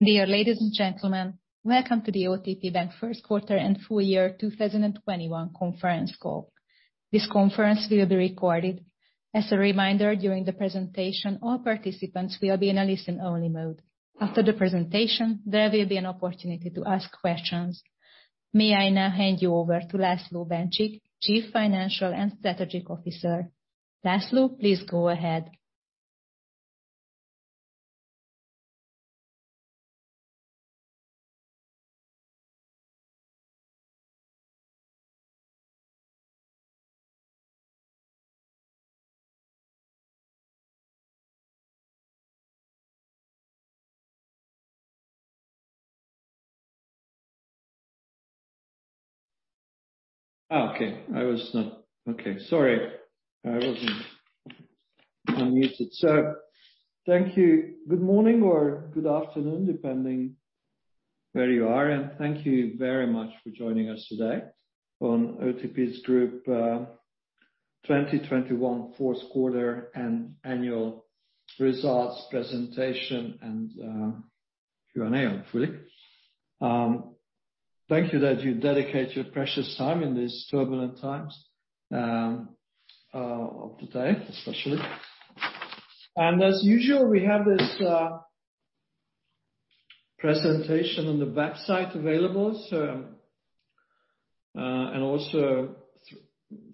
Dear ladies and gentlemen, welcome to the OTP Bank first quarter and full year 2021 conference call. This conference will be recorded. As a reminder, during the presentation, all participants will be in a listen-only mode. After the presentation, there will be an opportunity to ask questions. May I now hand you over to László Bencsik, Chief Financial and Strategic Officer. László, please go ahead. Okay. Sorry, I wasn't unmuted. Thank you. Good morning or good afternoon, depending where you are. Thank you very much for joining us today on OTP Group's 2021 fourth quarter and annual results presentation and Q&A hopefully. Thank you that you dedicate your precious time in these turbulent times of today, especially. As usual, we have this presentation on the website available. And also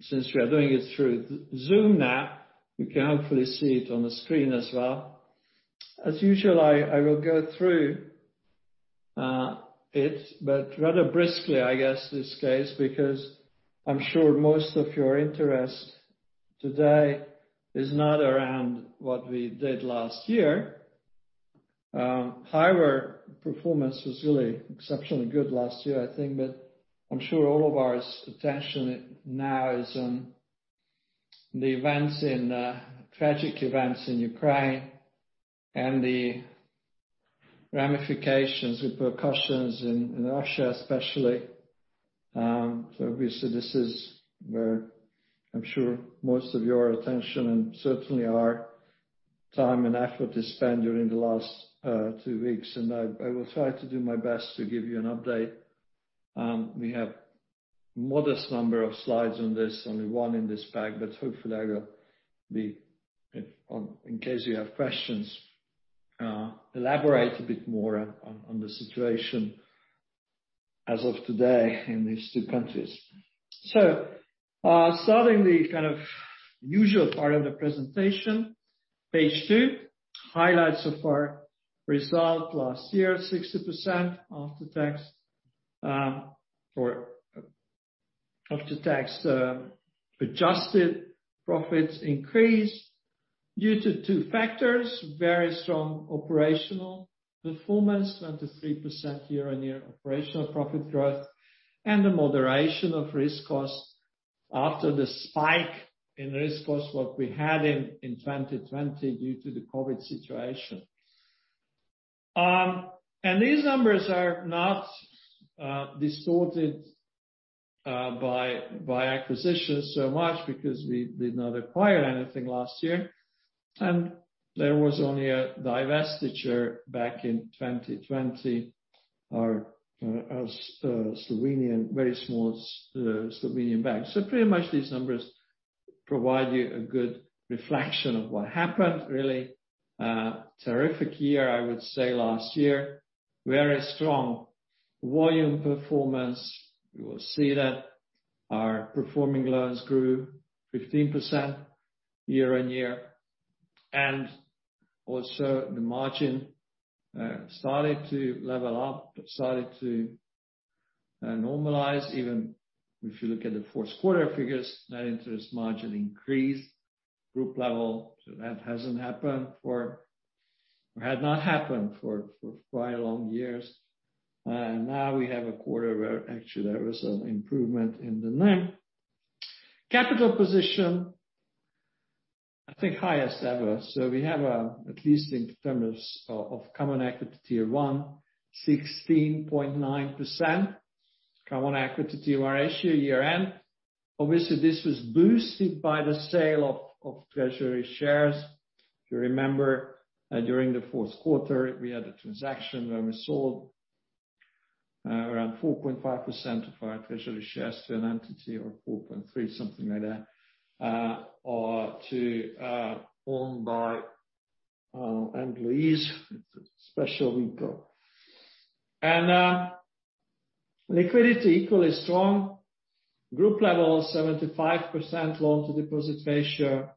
since we are doing it through Zoom now, you can hopefully see it on the screen as well. As usual, I will go through it but rather briskly, I guess, this case, because I'm sure most of your interest today is not around what we did last year. However, performance was really exceptionally good last year, I think. I'm sure all of our attention now is on the tragic events in Ukraine and the ramifications and repercussions in Russia especially. Obviously this is where I'm sure most of your attention and certainly our time and effort is spent during the last two weeks. I will try to do my best to give you an update. We have modest number of slides on this, only one in this pack, but hopefully in case you have questions I will elaborate a bit more on the situation as of today in these two countries. Starting the kind of usual part of the presentation, page two, highlights of our result last year, 60% after tax adjusted profits increased due to two factors, very strong operational performance, 23% year-on-year operational profit growth, and the moderation of risk costs after the spike in risk costs we had in 2020 due to the COVID situation. These numbers are not distorted by acquisitions so much because we did not acquire anything last year. There was only a divestiture back in 2020. Our Slovenian, very small Slovenian bank. Pretty much these numbers provide you a good reflection of what happened really. Terrific year, I would say last year. Very strong volume performance. You will see that our performing loans grew 15% year-on-year. Also the margin started to normalize. Even if you look at the fourth quarter figures, net interest margin increased group level. That hasn't happened for quite long years. Now we have a quarter where actually there was an improvement in the NIM. Capital position, I think, highest ever. We have at least in terms of common equity tier one, 16.9% Common Equity Tier 1 ratio year-end. Obviously, this was boosted by the sale of treasury shares. If you remember, during the fourth quarter, we had a transaction where we sold around 4.5% of our treasury shares to an entity or 4.3%, something like that, or to owned by employees. It's a special vehicle. Liquidity equally strong. Group level, 75% loan-to-deposit ratio.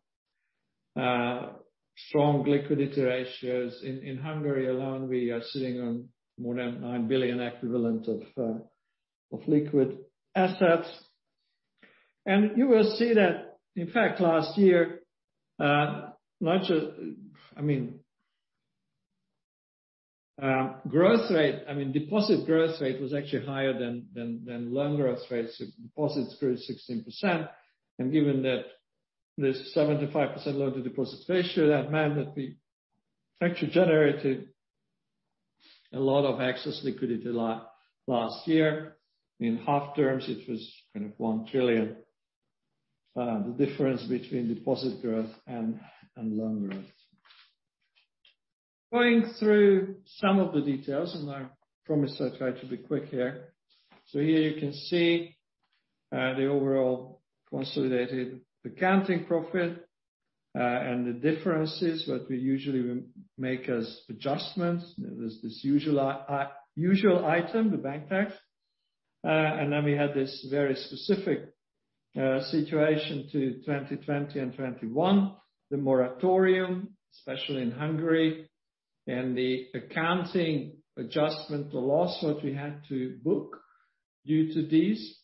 Strong liquidity ratios. In Hungary alone, we are sitting on more than 9 billion equivalent of liquid assets. You will see that in fact last year, deposit growth rate was actually higher than loan growth rates. Deposits grew 16%. Given that this 75% loan-to-deposit ratio, that meant that we actually generated a lot of excess liquidity last year. In half terms, it was kind of 1 trillion, the difference between deposit growth and loan growth. Going through some of the details, I promise I'll try to be quick here. Here you can see the overall consolidated accounting profit and the differences that we usually make as adjustments. There's this usual item, the bank tax. We had this very specific situation in 2020 and 2021, the moratorium, especially in Hungary, and the accounting adjustment, the loss that we had to book due to these.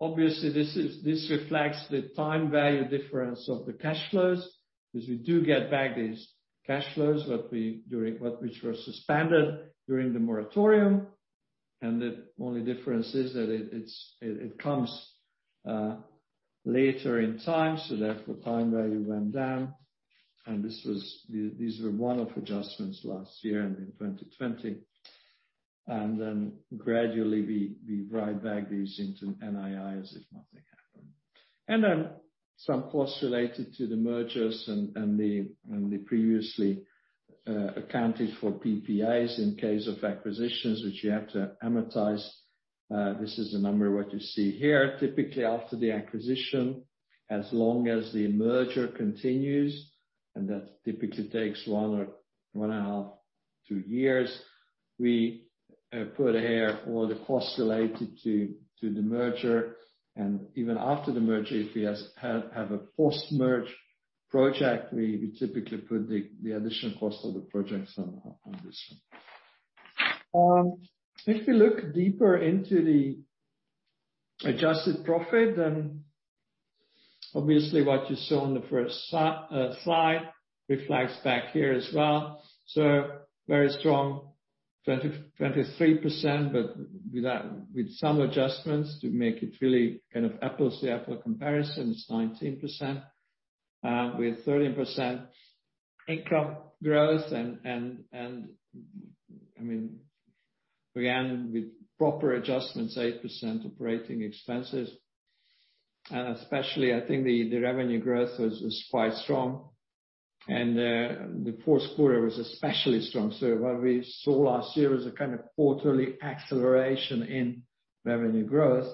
Obviously this reflects the time value difference of the cash flows, because we do get back these cash flows which were suspended during the moratorium. The only difference is that it comes later in time, so therefore, time value went down. These were one-off adjustments last year and in 2020. Gradually we write back these into NII if nothing happened. Some costs related to the mergers and the previously accounted for PPAs in case of acquisitions which you have to amortize. This is the number what you see here. Typically after the acquisition, as long as the merger continues, and that typically takes one or one and a half, two years, we put here all the costs related to the merger. Even after the merger, if we have a post-merge project, we typically put the additional cost of the projects on this one. If you look deeper into the adjusted profit, then obviously what you saw on the first slide reflects back here as well. Very strong 23%, but with that, with some adjustments to make it really kind of apples to apples comparison, it's 19%. With 13% income growth and, I mean, again, with proper adjustments, 8% operating expenses. Especially I think the revenue growth was quite strong. The fourth quarter was especially strong. What we saw last year was a kind of quarterly acceleration in revenue growth,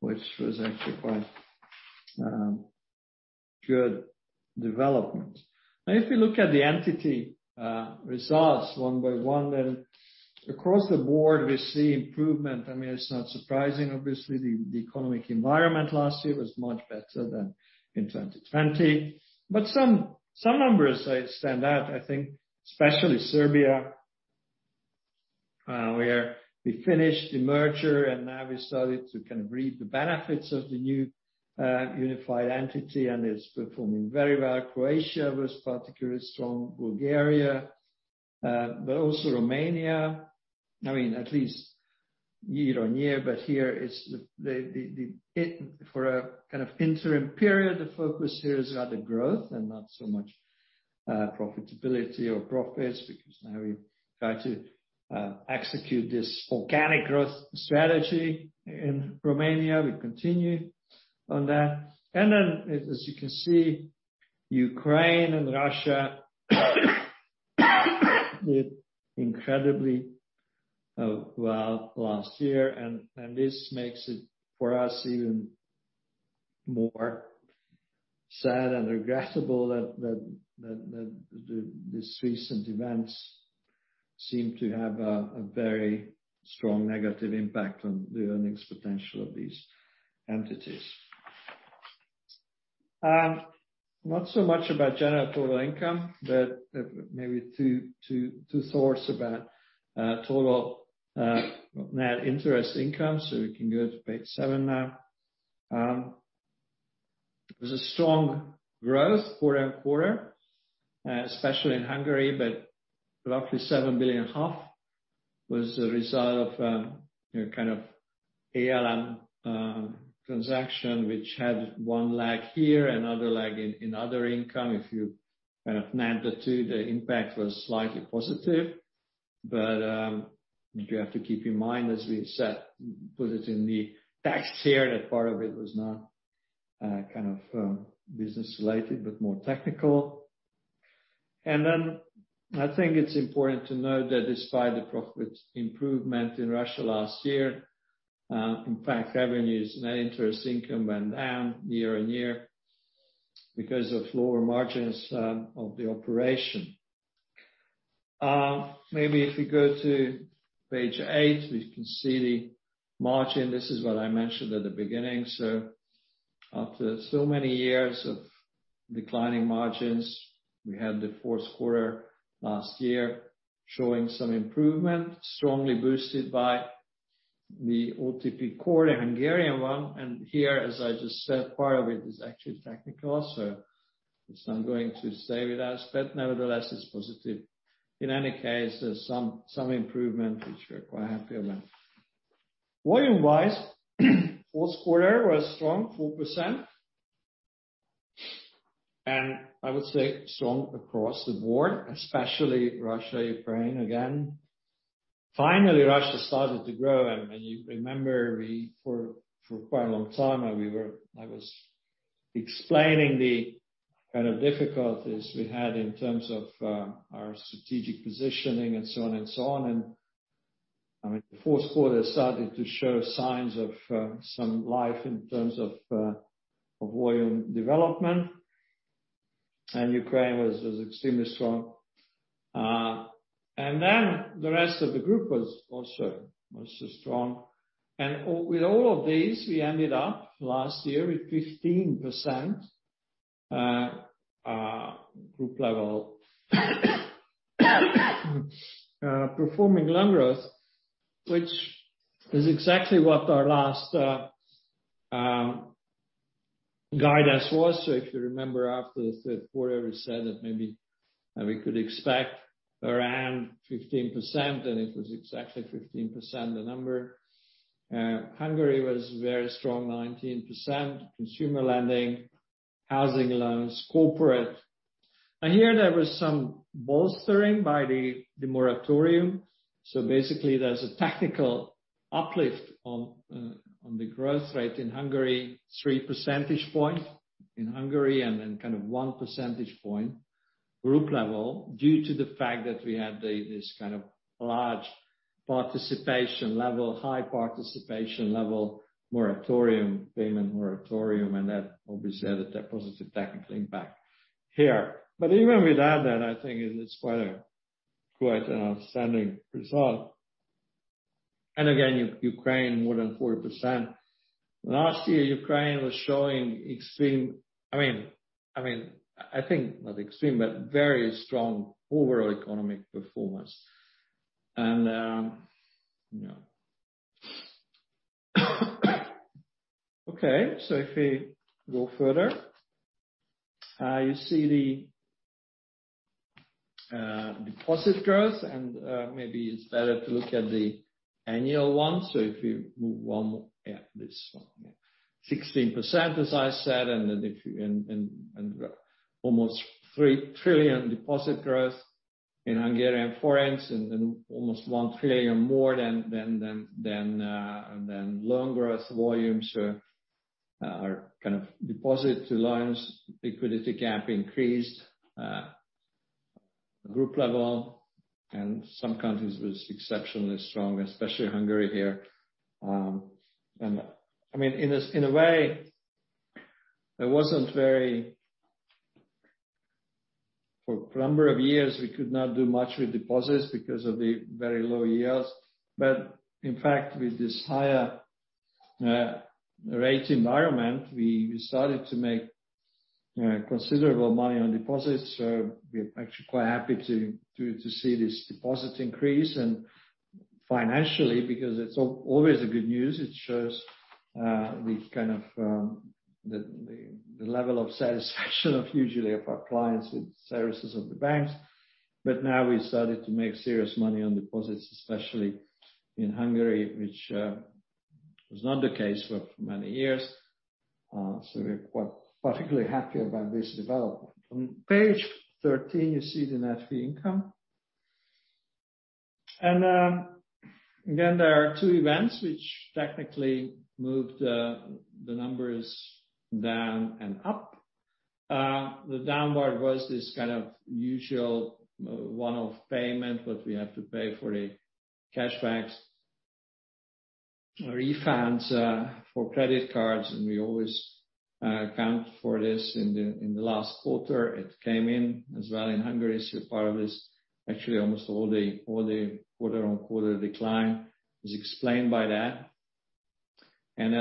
which was actually quite good development. Now if you look at the entity results one by one, then across the board we see improvement. I mean, it's not surprising. Obviously, the economic environment last year was much better than in 2020. Some numbers stand out, I think especially Serbia, where we finished the merger and now we started to kind of reap the benefits of the new unified entity, and it's performing very well. Croatia was particularly strong. Bulgaria, but also Romania. I mean at least year-over-year, but here is the. For a kind of interim period, the focus here is rather growth and not so much profitability or profits, because now we try to execute this organic growth strategy in Romania. We continue on that. As you can see, Ukraine and Russia did incredibly well last year. This makes it, for us, even more sad and regrettable that these recent events seem to have a very strong negative impact on the earnings potential of these entities. Not so much about general total income, but maybe two thoughts about total net interest income. We can go to page seven now. It was a strong growth quarter-over-quarter, especially in Hungary, but roughly 7 billion, half was a result of, you know, kind of ALM transaction, which had one lag here, another lag in other income. If you kind of net the two lags, the impact was slightly positive. You have to keep in mind, as we said, put it in context here, that part of it was not kind of business related, but more technical. I think it's important to note that despite the profit improvement in Russia last year, in fact revenues, net interest income went down year-over-year because of lower margins of the operation. Maybe if you go to page eight, we can see the margin. This is what I mentioned at the beginning. After so many years of declining margins, we had the fourth quarter last year showing some improvement, strongly boosted by the OTP Core, the Hungarian one. Here, as I just said, part of it is actually technical. It's not going to stay with us, but nevertheless it's positive. In any case, there's some improvement which we're quite happy about. Volume-wise, fourth quarter was strong, 4%. I would say strong across the board, especially Russia, Ukraine, again. Finally Russia started to grow. You remember, for quite a long time, I was explaining the kind of difficulties we had in terms of, our strategic positioning and so on and so on. I mean, the fourth quarter started to show signs of, some life in terms of volume development. Ukraine was extremely strong. The rest of the group was also mostly strong. With all of these, we ended up last year with 15% group level performing loan growth, which is exactly what our last guidance was. If you remember after the third quarter, we said that maybe we could expect around 15%, and it was exactly 15% the number. Hungary was very strong, 19%. Consumer lending, housing loans, corporate. Here there was some bolstering by the moratorium. Basically there's a technical uplift on the growth rate in Hungary, three percentage points in Hungary and then kind of 1 percentage point group level due to the fact that we had this kind of large participation level, high participation level moratorium, payment moratorium, and that obviously had a positive technical impact here. Even without that, I think it's quite an outstanding result. Again, Ukraine more than 40%. Last year, Ukraine was showing extreme. I mean, I think not extreme, but very strong overall economic performance. You know. If we go further, you see the deposit growth and maybe it's better to look at the annual one. If you move one more. Yeah, this one. Yeah. 16%, as I said, and then and almost 3 trillion deposit growth in Hungary and foreign, and then almost 1 trillion more than loan growth volumes. Our kind of deposit to loans liquidity gap increased, group level and some countries was exceptionally strong, especially Hungary here. I mean, in a way, it wasn't very. For a number of years, we could not do much with deposits because of the very low yields. In fact, with this higher rate environment, we started to make considerable money on deposits. We're actually quite happy to see this deposit increase. Financially, because it's always good news, it shows the level of satisfaction usually of our clients with services of the banks. Now we started to make serious money on deposits, especially in Hungary, which was not the case for many years. We're quite particularly happy about this development. On page 13, you see the net fee income. Again, there are two events which technically moved the numbers down and up. The downward was this kind of usual one-off payment that we have to pay for the cash backs refunds, for credit cards, and we always account for this in the last quarter. It came in as well in Hungary. Part of this, actually almost all the quarter-on-quarter decline is explained by that. Then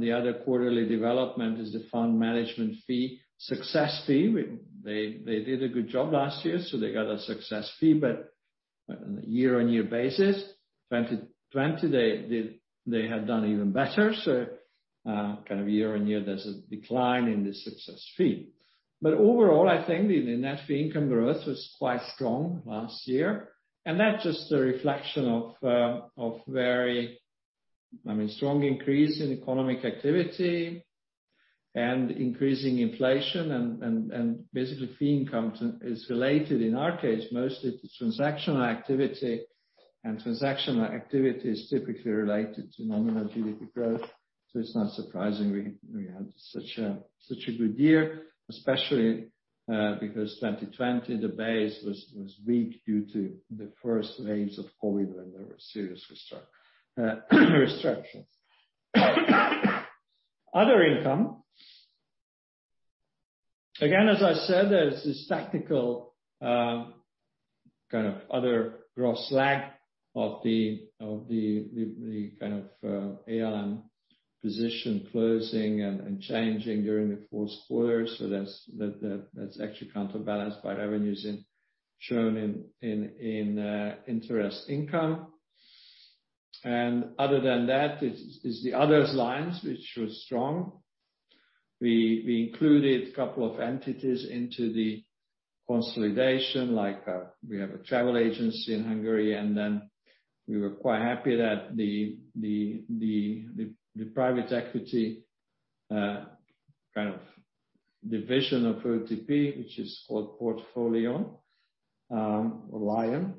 the other quarterly development is the fund management fee, success fee. They did a good job last year, so they got a success fee. But on a year-on-year basis, 2020, they had done even better. Kind of year-on-year, there's a decline in the success fee. But overall, I think the net fee income growth was quite strong last year. That's just a reflection of very. I mean, strong increase in economic activity and increasing inflation and basically fee income is related in our case mostly to transactional activity. Transactional activity is typically related to nominal GDP growth. It's not surprising we had such a good year, especially because 2020 the base was weak due to the first waves of COVID when there were serious restrictions. Other income. Again, as I said, there's this technical kind of other gross lag of the ALM position closing and changing during the fourth quarter. That's actually counterbalanced by revenues shown in interest income. Other than that, it's the other lines which was strong. We included a couple of entities into the consolidation, like, we have a travel agency in Hungary, and then we were quite happy that the private equity kind of division of OTP, which is called PortfoLion, or Lion,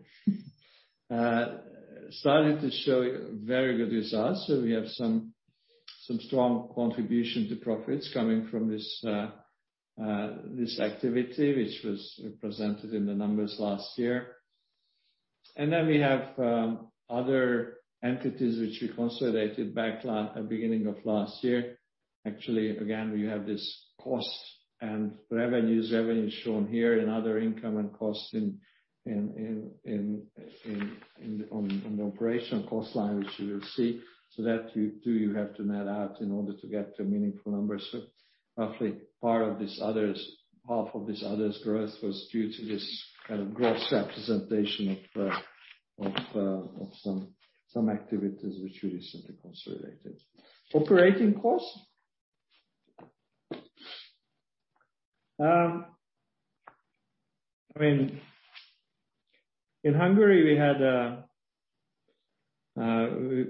started to show very good results. We have some strong contribution to profits coming from this activity, which was represented in the numbers last year. We have other entities which we consolidated at beginning of last year. Actually, again, we have this cost and revenues shown here, and other income and costs on the operational cost line, which you will see, that you have to net out in order to get to meaningful numbers. Roughly half of this others growth was due to this kind of reclassification of some activities which we recently consolidated. Operating costs. I mean, in Hungary,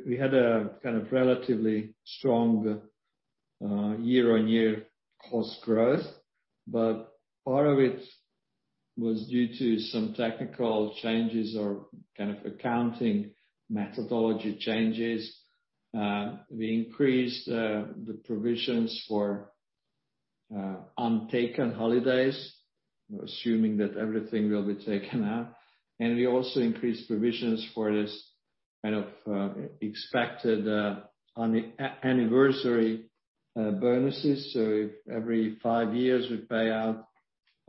we had a kind of relatively strong year-on-year cost growth, but part of it was due to some technical changes or kind of accounting methodology changes. We increased the provisions for untaken holidays, assuming that everything will be taken now. We also increased provisions for this kind of expected anniversary bonuses. If every five years we pay out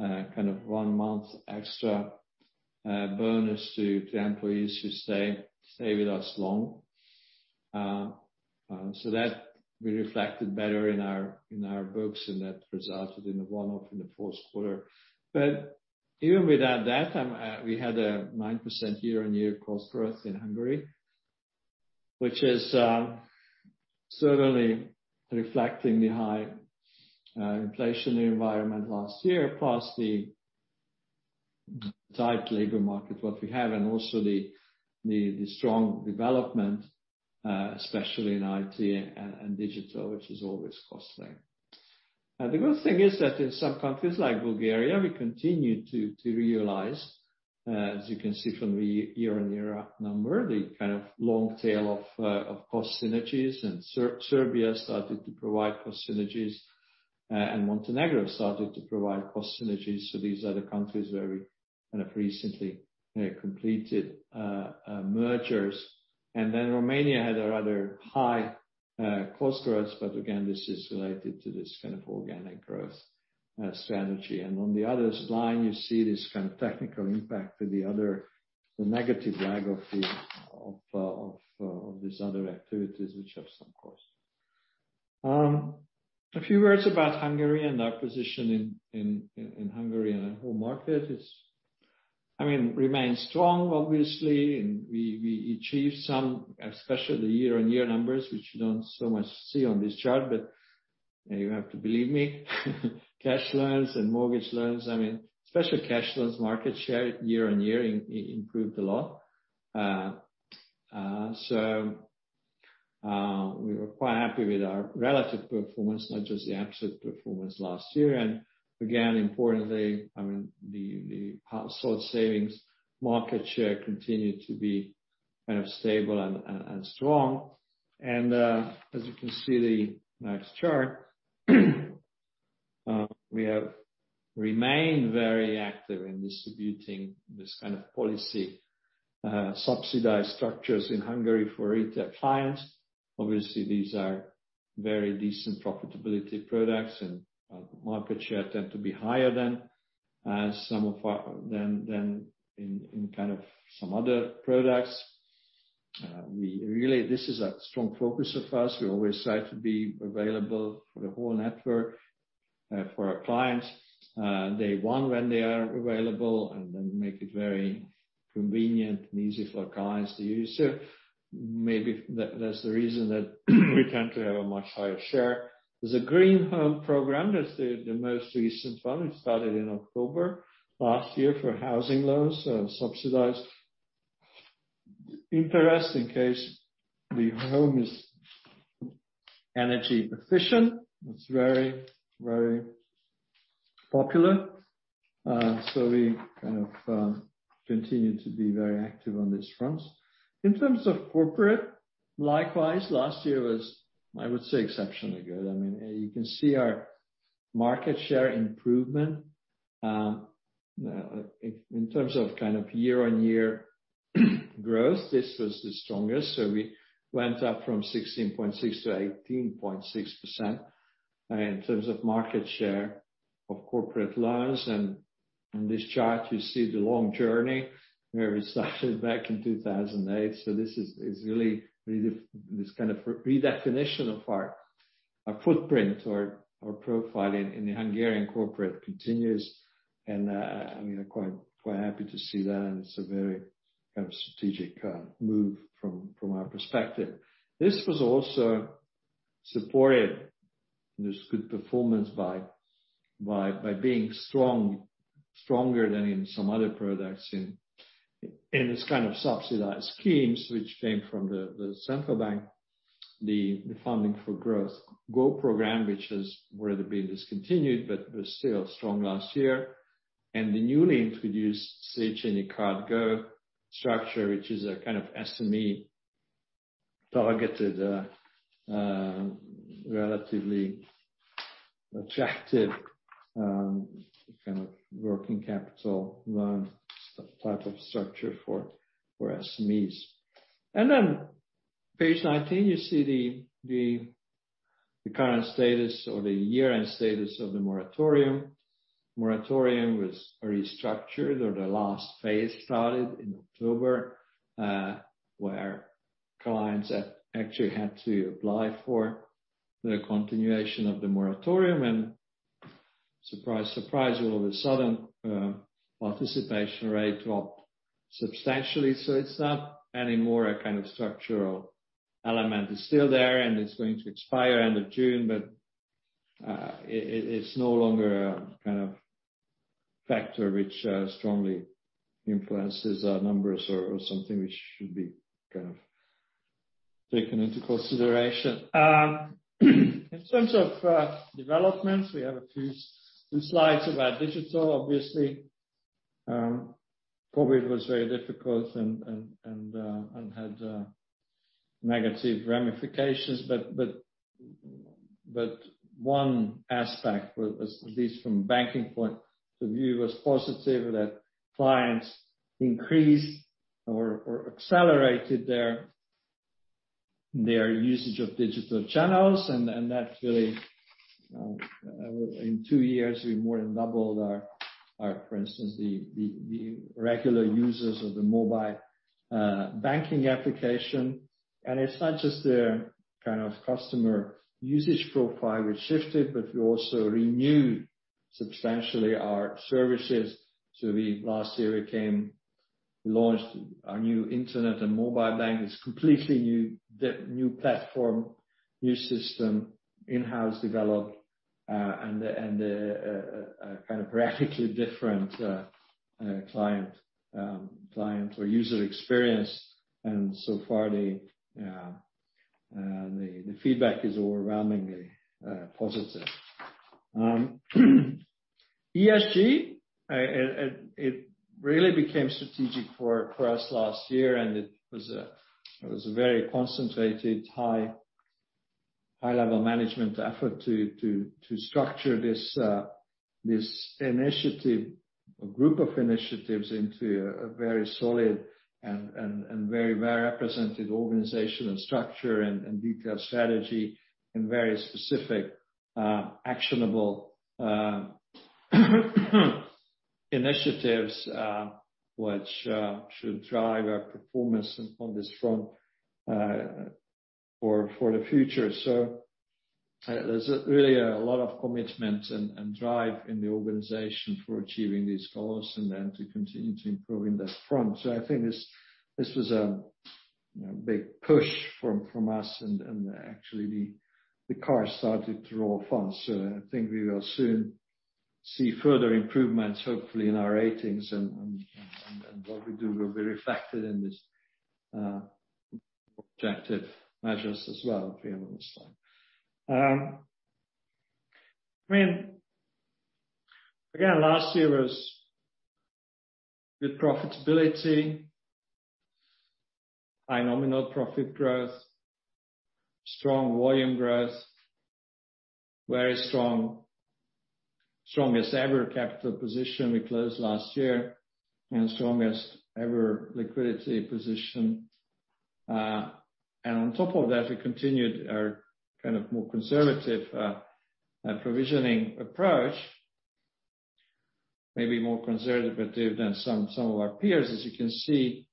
kind of one month extra bonus to employees who stay with us long, that we reflected better in our books, and that resulted in a one-off in the fourth quarter. Even without that, we had a 9% year-on-year cost growth in Hungary, which is certainly reflecting the high inflationary environment last year, plus the tight labor market what we have, and also the strong development especially in IT and digital, which is always costly. The good thing is that in some countries like Bulgaria, we continue to realize, as you can see from the year-on-year number, the kind of long tail of cost synergies. Serbia started to provide cost synergies, and Montenegro started to provide cost synergies. These are the countries where we kind of recently completed mergers. Then Romania had a rather high cost growth, but again, this is related to this kind of organic growth strategy. On the others line, you see this kind of technical impact to the other, the negative lag of these other activities, which have some cost. A few words about Hungary and our position in Hungary and the whole market. It remains strong, I mean, obviously, and we achieved some, especially the year-on-year numbers, which you don't so much see on this chart, but you have to believe me. Cash loans and mortgage loans, I mean, especially cash loans market share year-on-year improved a lot. So, we were quite happy with our relative performance, not just the absolute performance last year. Again, importantly, I mean, the household savings market share continued to be kind of stable and strong. As you can see the next chart, we have remained very active in distributing this kind of policy subsidized structures in Hungary for retail clients. Obviously, these are very decent profitability products and market share tend to be higher than in kind of some other products. This is a strong focus of us. We always try to be available for the whole network for our clients day one when they are available, and then make it very convenient and easy for clients to use. Maybe that's the reason that we tend to have a much higher share. There's a Green Home Programme. That's the most recent one. It started in October last year for housing loans, subsidized interest in case the home is energy efficient. It's very popular. We kind of continue to be very active on this front. In terms of corporate, likewise, last year was, I would say, exceptionally good. I mean, you can see our market share improvement in terms of kind of year-on-year growth. This was the strongest. We went up from 16.6%-18.6% in terms of market share of corporate loans. On this chart you see the long journey where we started back in 2008. This is really this kind of redefinition of our footprint or profile in the Hungarian corporate continues. I'm quite happy to see that, and it's a very kind of strategic move from our perspective. This was also supporting this good performance by being strong, stronger than in some other products in this kind of subsidized schemes which came from the central bank, the Funding for Growth Go program, which has already been discontinued but was still strong last year, and the newly introduced Széchenyi Card Go structure, which is a kind of SME targeted, relatively attractive, kind of working capital loan type of structure for SMEs. Then page 19, you see the current status or the year-end status of the moratorium. The moratorium was restructured, or the last phase started in October, where clients actually had to apply for the continuation of the moratorium. Surprise, surprise, all of a sudden, participation rate dropped substantially. It's not any more a kind of structural element. It's still there and it's going to expire end of June, but it's no longer a kind of factor which strongly influences our numbers or something which should be kind of taken into consideration. In terms of developments, we have a few slides about digital. Obviously, COVID was very difficult and had negative ramifications. One aspect was, at least from banking point of view, positive that clients increased or accelerated their usage of digital channels. That really in two years we more than doubled our, for instance, the regular users of the mobile banking application. It's not just the kind of customer usage profile which shifted, but we also renewed substantially our services to the. Last year we launched our new internet and mobile bank. It's completely new platform, new system, in-house developed, and a kind of radically different client or user experience. So far the feedback is overwhelmingly positive. ESG it really became strategic for us last year, and it was a very concentrated high-level management effort to structure this initiative or group of initiatives into a very solid and very well-represented organization and structure and detailed strategy and very specific actionable initiatives which should drive our performance on this front for the future. There's really a lot of commitment and drive in the organization for achieving these goals and then to continue to improve in that front. I think this was a big push from us and actually the car started to roll fast. I think we will soon see further improvements, hopefully in our ratings and what we do will be reflected in this objective measures as well. If you go to the next slide. I mean, again, last year was good profitability, high nominal profit growth, strong volume growth, very strong, strongest ever capital position we closed last year and strongest ever liquidity position. On top of that, we continued our kind of more conservative provisioning approach. Maybe more conservative than some of our peers, as you can see,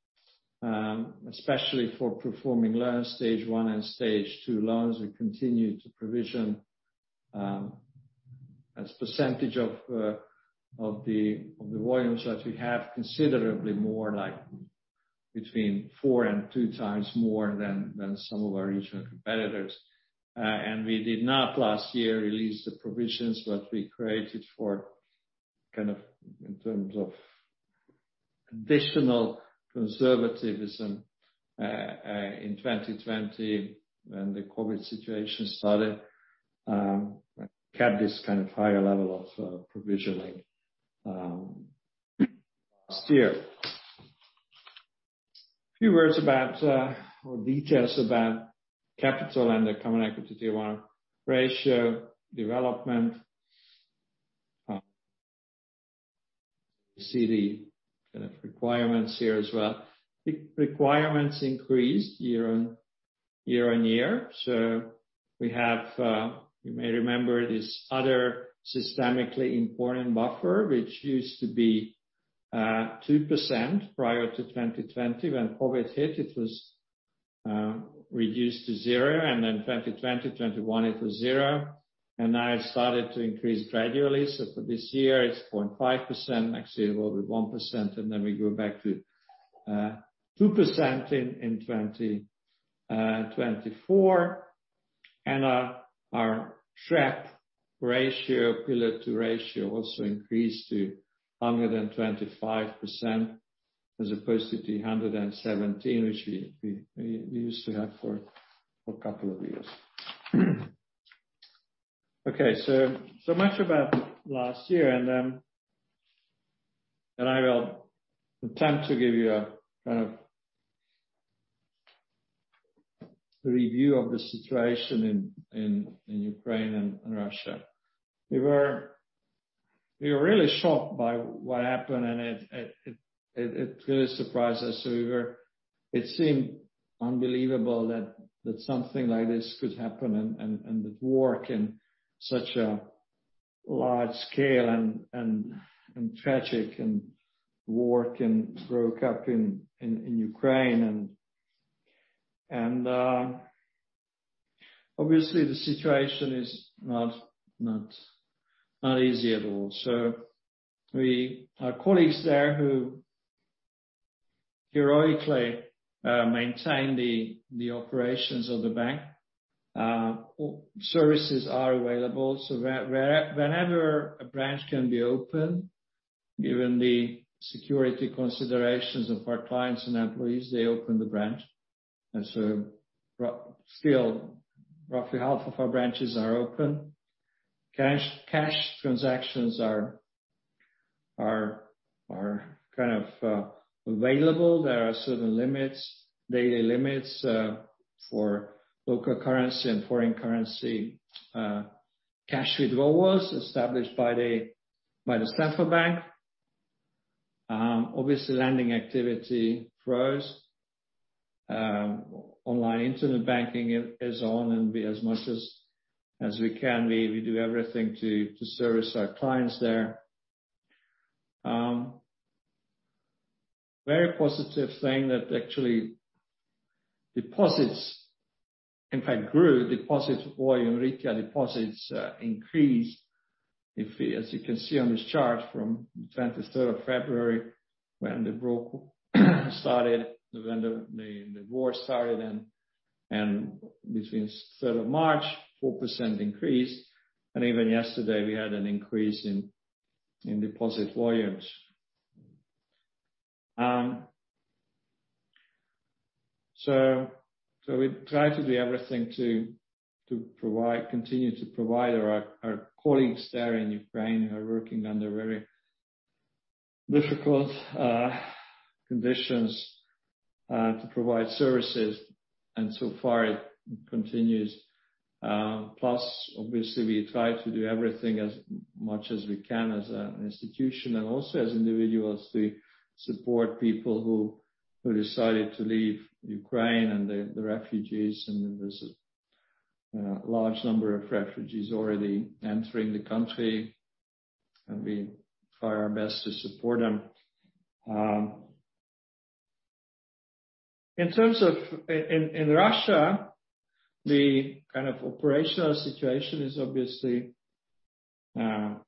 especially for performing loans, Stage one and Stage two loans, we continue to provision as percentage of the volumes that we have considerably more like between 4x and 2x more than some of our regional competitors. We did not last year release the provisions that we created for kind of in terms of additional conservatism in 2020 when the COVID situation started, kept this kind of higher level of provisioning last year. A few words about or details about capital and the Common Equity Tier 1 ratio development. You see the kind of requirements here as well. The requirements increased year on year. We have, you may remember this other systemically important institution buffer, which used to be 2% prior to 2020. When COVID hit, it was reduced to zero, and then 2020, 2021 it was zero. Now it started to increase gradually. For this year it's 0.5%, next year it will be 1%, and then we go back to 2% in 2024. Our SREP ratio, Pillar 2 ratio also increased to 125% as opposed to the 117%, which we used to have for a couple of years. Okay. Much about last year and I will attempt to give you a kind of review of the situation in Ukraine and Russia. We were really shocked by what happened, and it really surprised us. It seemed unbelievable that something like this could happen and that war on such a large scale and so tragic and war could break out in Ukraine. Obviously the situation is not easy at all. Our colleagues there who heroically maintain the operations of the bank. Services are available. Whenever a branch can be open, given the security considerations of our clients and employees, they open the branch. Still roughly half of our branches are open. Cash transactions are kind of available. There are certain daily limits for local currency and foreign currency cash withdrawals established by the National Bank of Ukraine. Obviously, lending activity froze. Online internet banking is on and we do as much as we can. We do everything to service our clients there. Very positive thing that actually deposits in fact grew. Deposit volume, retail deposits increased. As you can see on this chart from February 23 when the war started and between March 3, 4% increased, and even yesterday we had an increase in deposit volumes. We try to do everything to continue to provide our colleagues there in Ukraine who are working under very difficult conditions to provide services and so far it continues. Plus obviously we try to do everything as much as we can as an institution and also as individuals to support people who decided to leave Ukraine and the refugees. There's a large number of refugees already entering the country, and we try our best to support them. In terms of Russia, the kind of operational situation is obviously not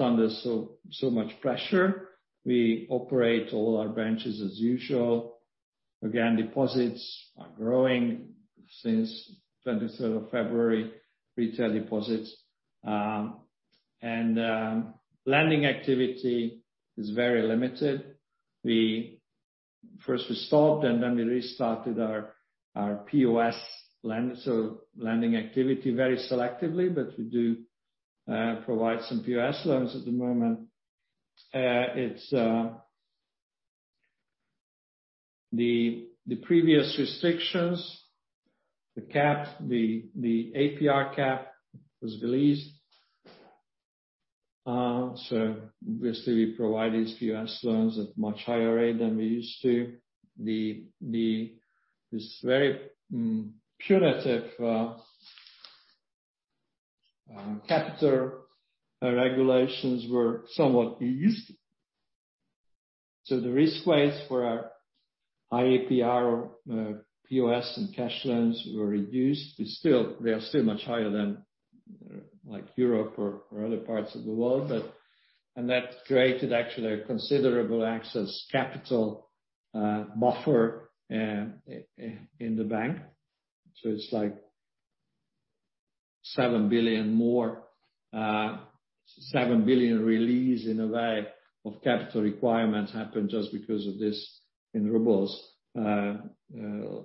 under so much pressure. We operate all our branches as usual. Again, deposits are growing since twenty-third of February, retail deposits. Lending activity is very limited. We first stopped and then we restarted our POS lending, so lending activity very selectively, but we do provide some POS loans at the moment. It's the previous restrictions, the cap, the APR cap was released. Obviously we provide these few US Dollar loans at much higher rate than we used to. This very punitive capital regulations were somewhat eased. The risk weights for our high APR, POS and cash loans were reduced, but still, they are much higher than like Europe or other parts of the world. That created actually a considerable excess capital buffer in the bank. It's like 7 billion more, 7 billion release in a way of capital requirements happened just because of this in rubles the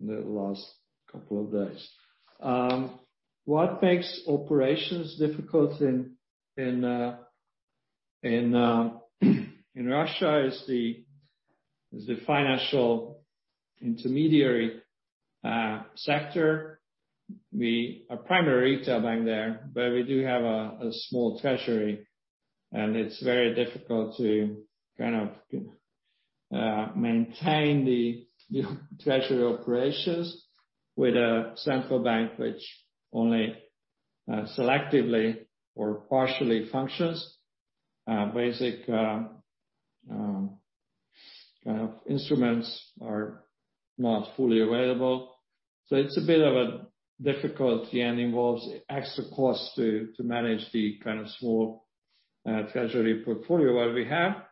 last couple of days. What makes operations difficult in Russia is the financial intermediary sector. We are primary retail bank there, but we do have a small treasury, and it's very difficult to kind of maintain the treasury operations with a central bank which only selectively or partially functions. Basic kind of instruments are not fully available. It's a bit of a difficulty and involves extra cost to manage the kind of small treasury portfolio that we have.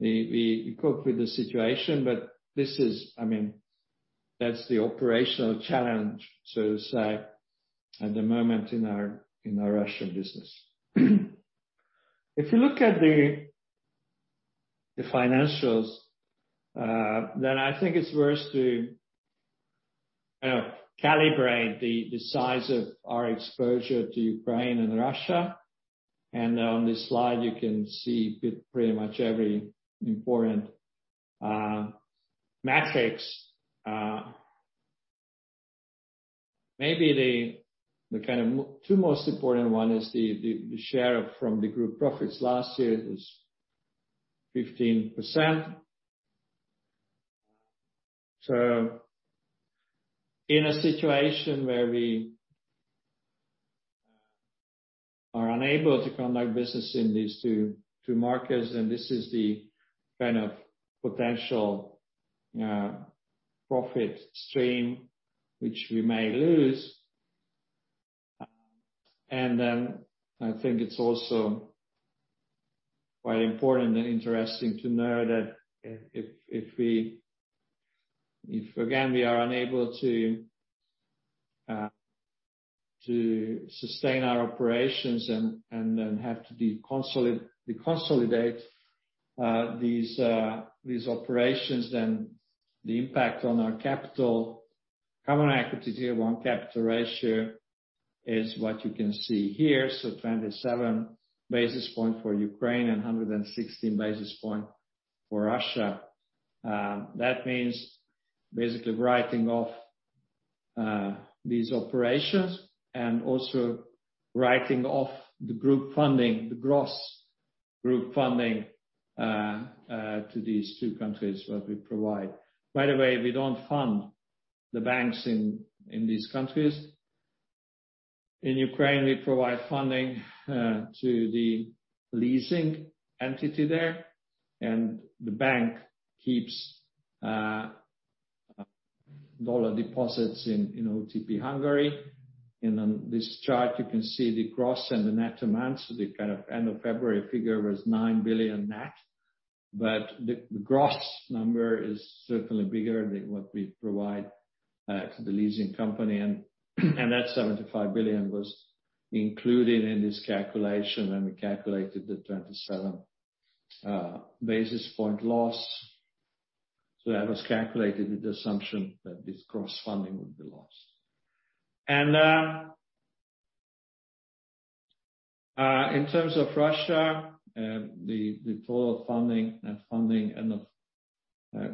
We cope with the situation. This is I mean that's the operational challenge, so to say, at the moment in our Russian business. If you look at the financials, then I think it's worth to calibrate the size of our exposure to Ukraine and Russia. On this slide, you can see pretty much every important metrics. Maybe the two most important one is the share from the group profits last year was 15%. In a situation where we are unable to conduct business in these two markets, and this is the kind of potential profit stream which we may lose. I think it's also quite important and interesting to know that if again, we are unable to sustain our operations and then have to deconsolidate these operations, then the impact on our capital, Common Equity Tier 1 capital ratio is what you can see here. 27 basis points for Ukraine and 116 basis points for Russia. That means basically writing off these operations and also writing off the group funding, the gross group funding to these two countries that we provide. By the way, we don't fund the banks in these countries. In Ukraine, we provide funding to the leasing entity there, and the bank keeps dollar deposits in OTP Hungary. On this chart, you can see the gross and the net amounts. The kind of end of February figure was 9 billion net. The gross number is certainly bigger than what we provide to the leasing company. That 75 billion was included in this calculation, and we calculated the 27 basis point loss. That was calculated with the assumption that this gross funding would be lost. In terms of Russia, the total funding.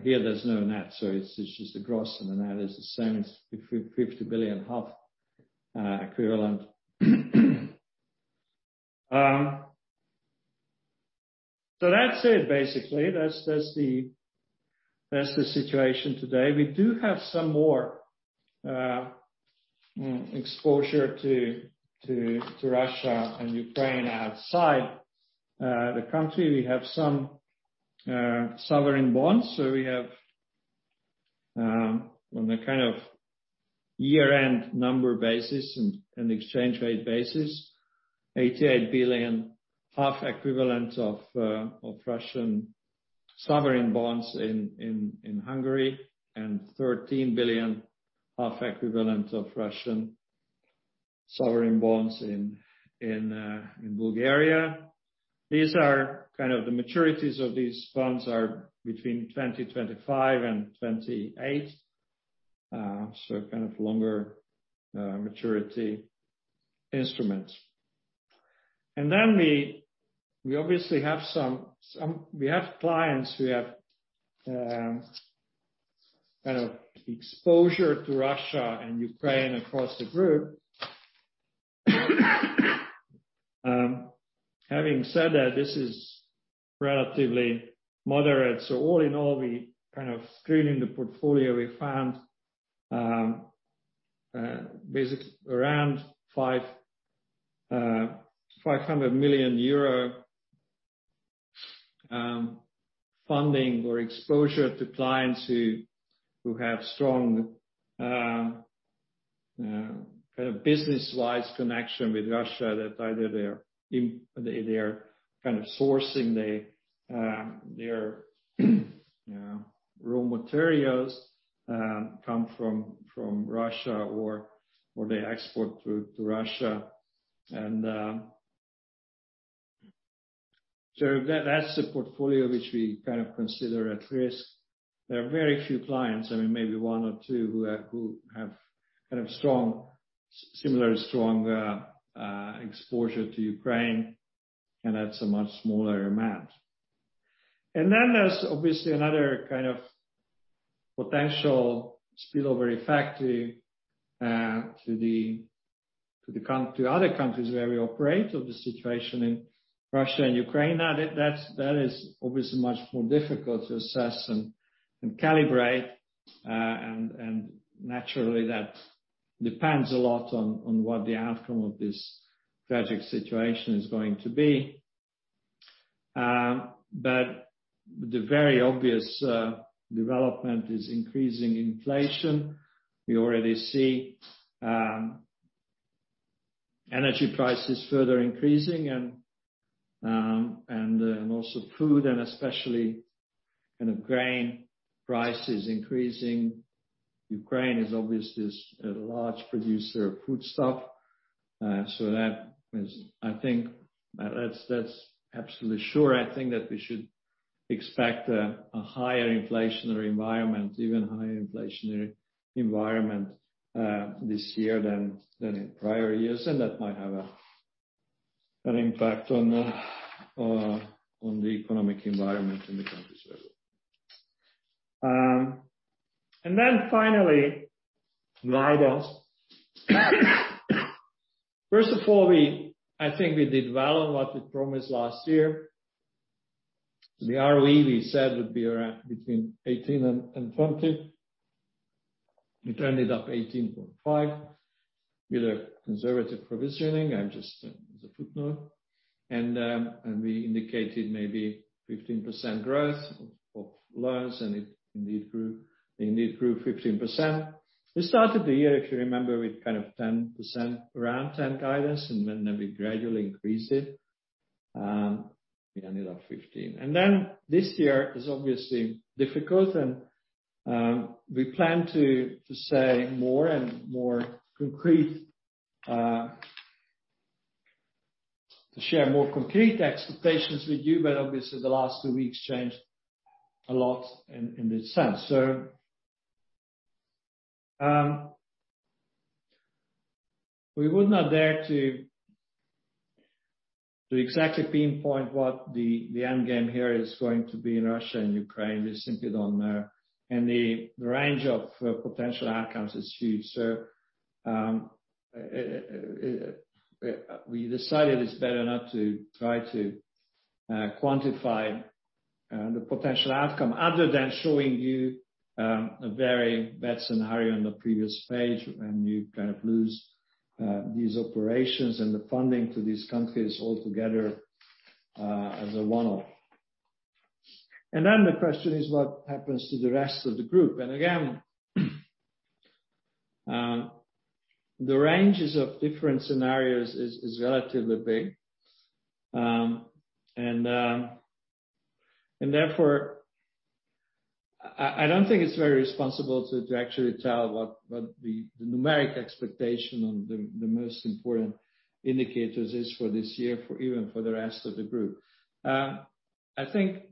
Here there's no net, so it's just the gross and the net is the same. It's HUF 50 billion equivalent. That's it, basically. That's the situation today. We do have some more exposure to Russia and Ukraine outside the country. We have some sovereign bonds. We have, on a kind of year-end number basis and exchange rate basis, 88 billion equivalent of Russian sovereign bonds in Hungary and 13 billion equivalent of Russian sovereign bonds in Bulgaria. These are kind of the maturities of these bonds are between 2025 and 2028, so kind of longer maturity instruments. We obviously have clients who have kind of exposure to Russia and Ukraine across the group. Having said that, this is relatively moderate. All in all, we kind of screening the portfolio, we found basically around EUR 500 million funding or exposure to clients who have strong kind of business-wise connection with Russia that either they are kind of sourcing their raw materials come from Russia or they export to Russia. That's the portfolio which we kind of consider at risk. There are very few clients, I mean maybe one or two, who have kind of strong similarly strong exposure to Ukraine, and that's a much smaller amount. Then there's obviously another kind of potential spillover effect to other countries where we operate of the situation in Russia and Ukraine. Now, that is obviously much more difficult to assess and calibrate. Naturally that depends a lot on what the outcome of this tragic situation is going to be. But the very obvious development is increasing inflation. We already see energy prices further increasing and also food and especially kind of grain prices increasing. Ukraine is obviously a large producer of foodstuff. So that is, I think, absolutely sure. I think that we should expect a higher inflationary environment, even higher inflationary environment, this year than in prior years. That might have an impact on the economic environment in the countries as well. Then finally, guidance. First of all, I think we did well on what we promised last year. The ROE we said would be around between 18% and 20%. It ended up 18.5% with a conservative provisioning, and just as a footnote. We indicated maybe 15% growth of loans, and it indeed grew 15%. We started the year, if you remember, with kind of 10%, around 10% guidance, and then we gradually increased it. We ended up 15%. Then this year is obviously difficult, and we plan to say more concrete, to share more concrete expectations with you. Obviously the last two weeks changed a lot in this sense. We would not dare to exactly pinpoint what the end game here is going to be in Russia and Ukraine. We simply don't know. The range of potential outcomes is huge. We decided it's better not to try to quantify the potential outcome other than showing you a very bad scenario on the previous page, and you kind of lose these operations and the funding to these countries altogether as a one-off. Then the question is what happens to the rest of the group? Again, the ranges of different scenarios is relatively big. Therefore, I don't think it's very responsible to actually tell what the numeric expectation on the most important indicators is for this year, even for the rest of the group. I think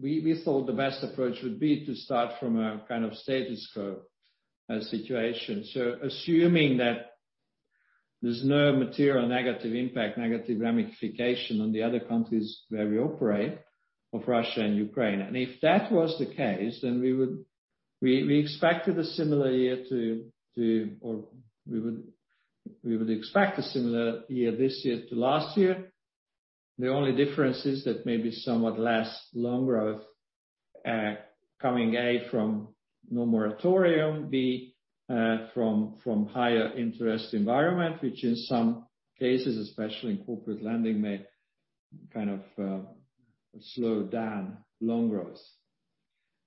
we thought the best approach would be to start from a kind of status quo situation. Assuming that there's no material negative impact, negative ramification on the other countries where we operate of Russia and Ukraine. If that was the case, then we would expect a similar year this year to last year. The only difference is that maybe somewhat less loan growth coming from no moratorium. From higher interest environment, which in some cases, especially in corporate lending, may kind of slow down loan growth.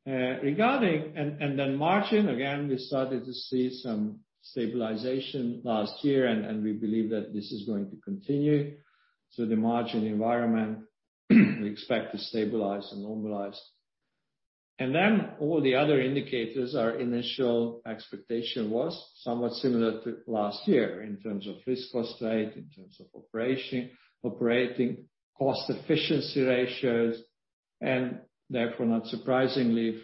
Regarding margin, again, we started to see some stabilization last year and we believe that this is going to continue. The margin environment we expect to stabilize and normalize. All the other indicators, our initial expectation was somewhat similar to last year in terms of risk cost rate, in terms of operating cost efficiency ratios, and therefore, not surprisingly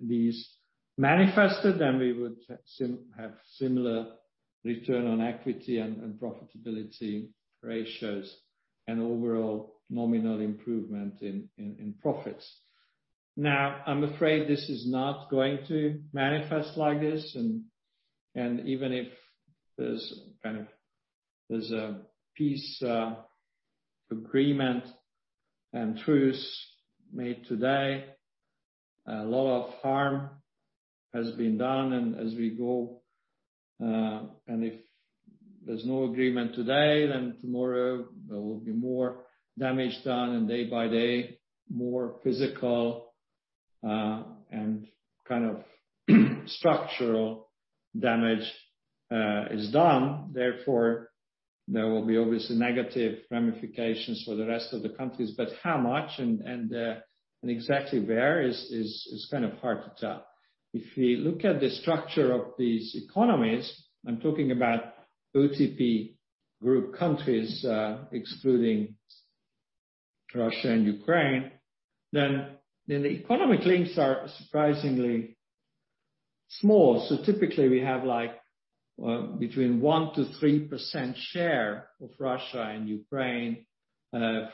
these manifested, then we would have similar return on equity and profitability ratios and overall nominal improvement in profits. Now, I'm afraid this is not going to manifest like this, and even if there's a peace agreement and truce made today, a lot of harm has been done and as we go, and if there's no agreement today, then tomorrow there will be more damage done and day by day, more physical and kind of structural damage is done. Therefore, there will be obviously negative ramifications for the rest of the countries. How much and exactly where is kind of hard to tell. If we look at the structure of these economies, I'm talking about OTP Group countries, excluding Russia, and Ukraine, then the economic links are surprisingly small. Typically we have like between 1%-3% share of Russia and Ukraine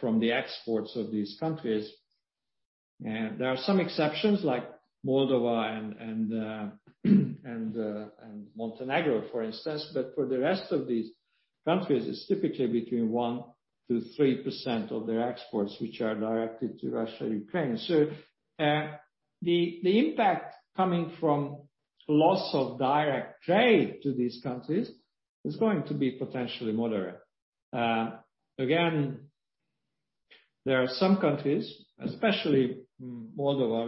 from the exports of these countries. There are some exceptions like Moldova and Montenegro, for instance, but for the rest of these countries is typically between 1%-3% of their exports which are directed to Russia, Ukraine. The impact coming from loss of direct trade to these countries is going to be potentially moderate. Again, there are some countries, especially Moldova,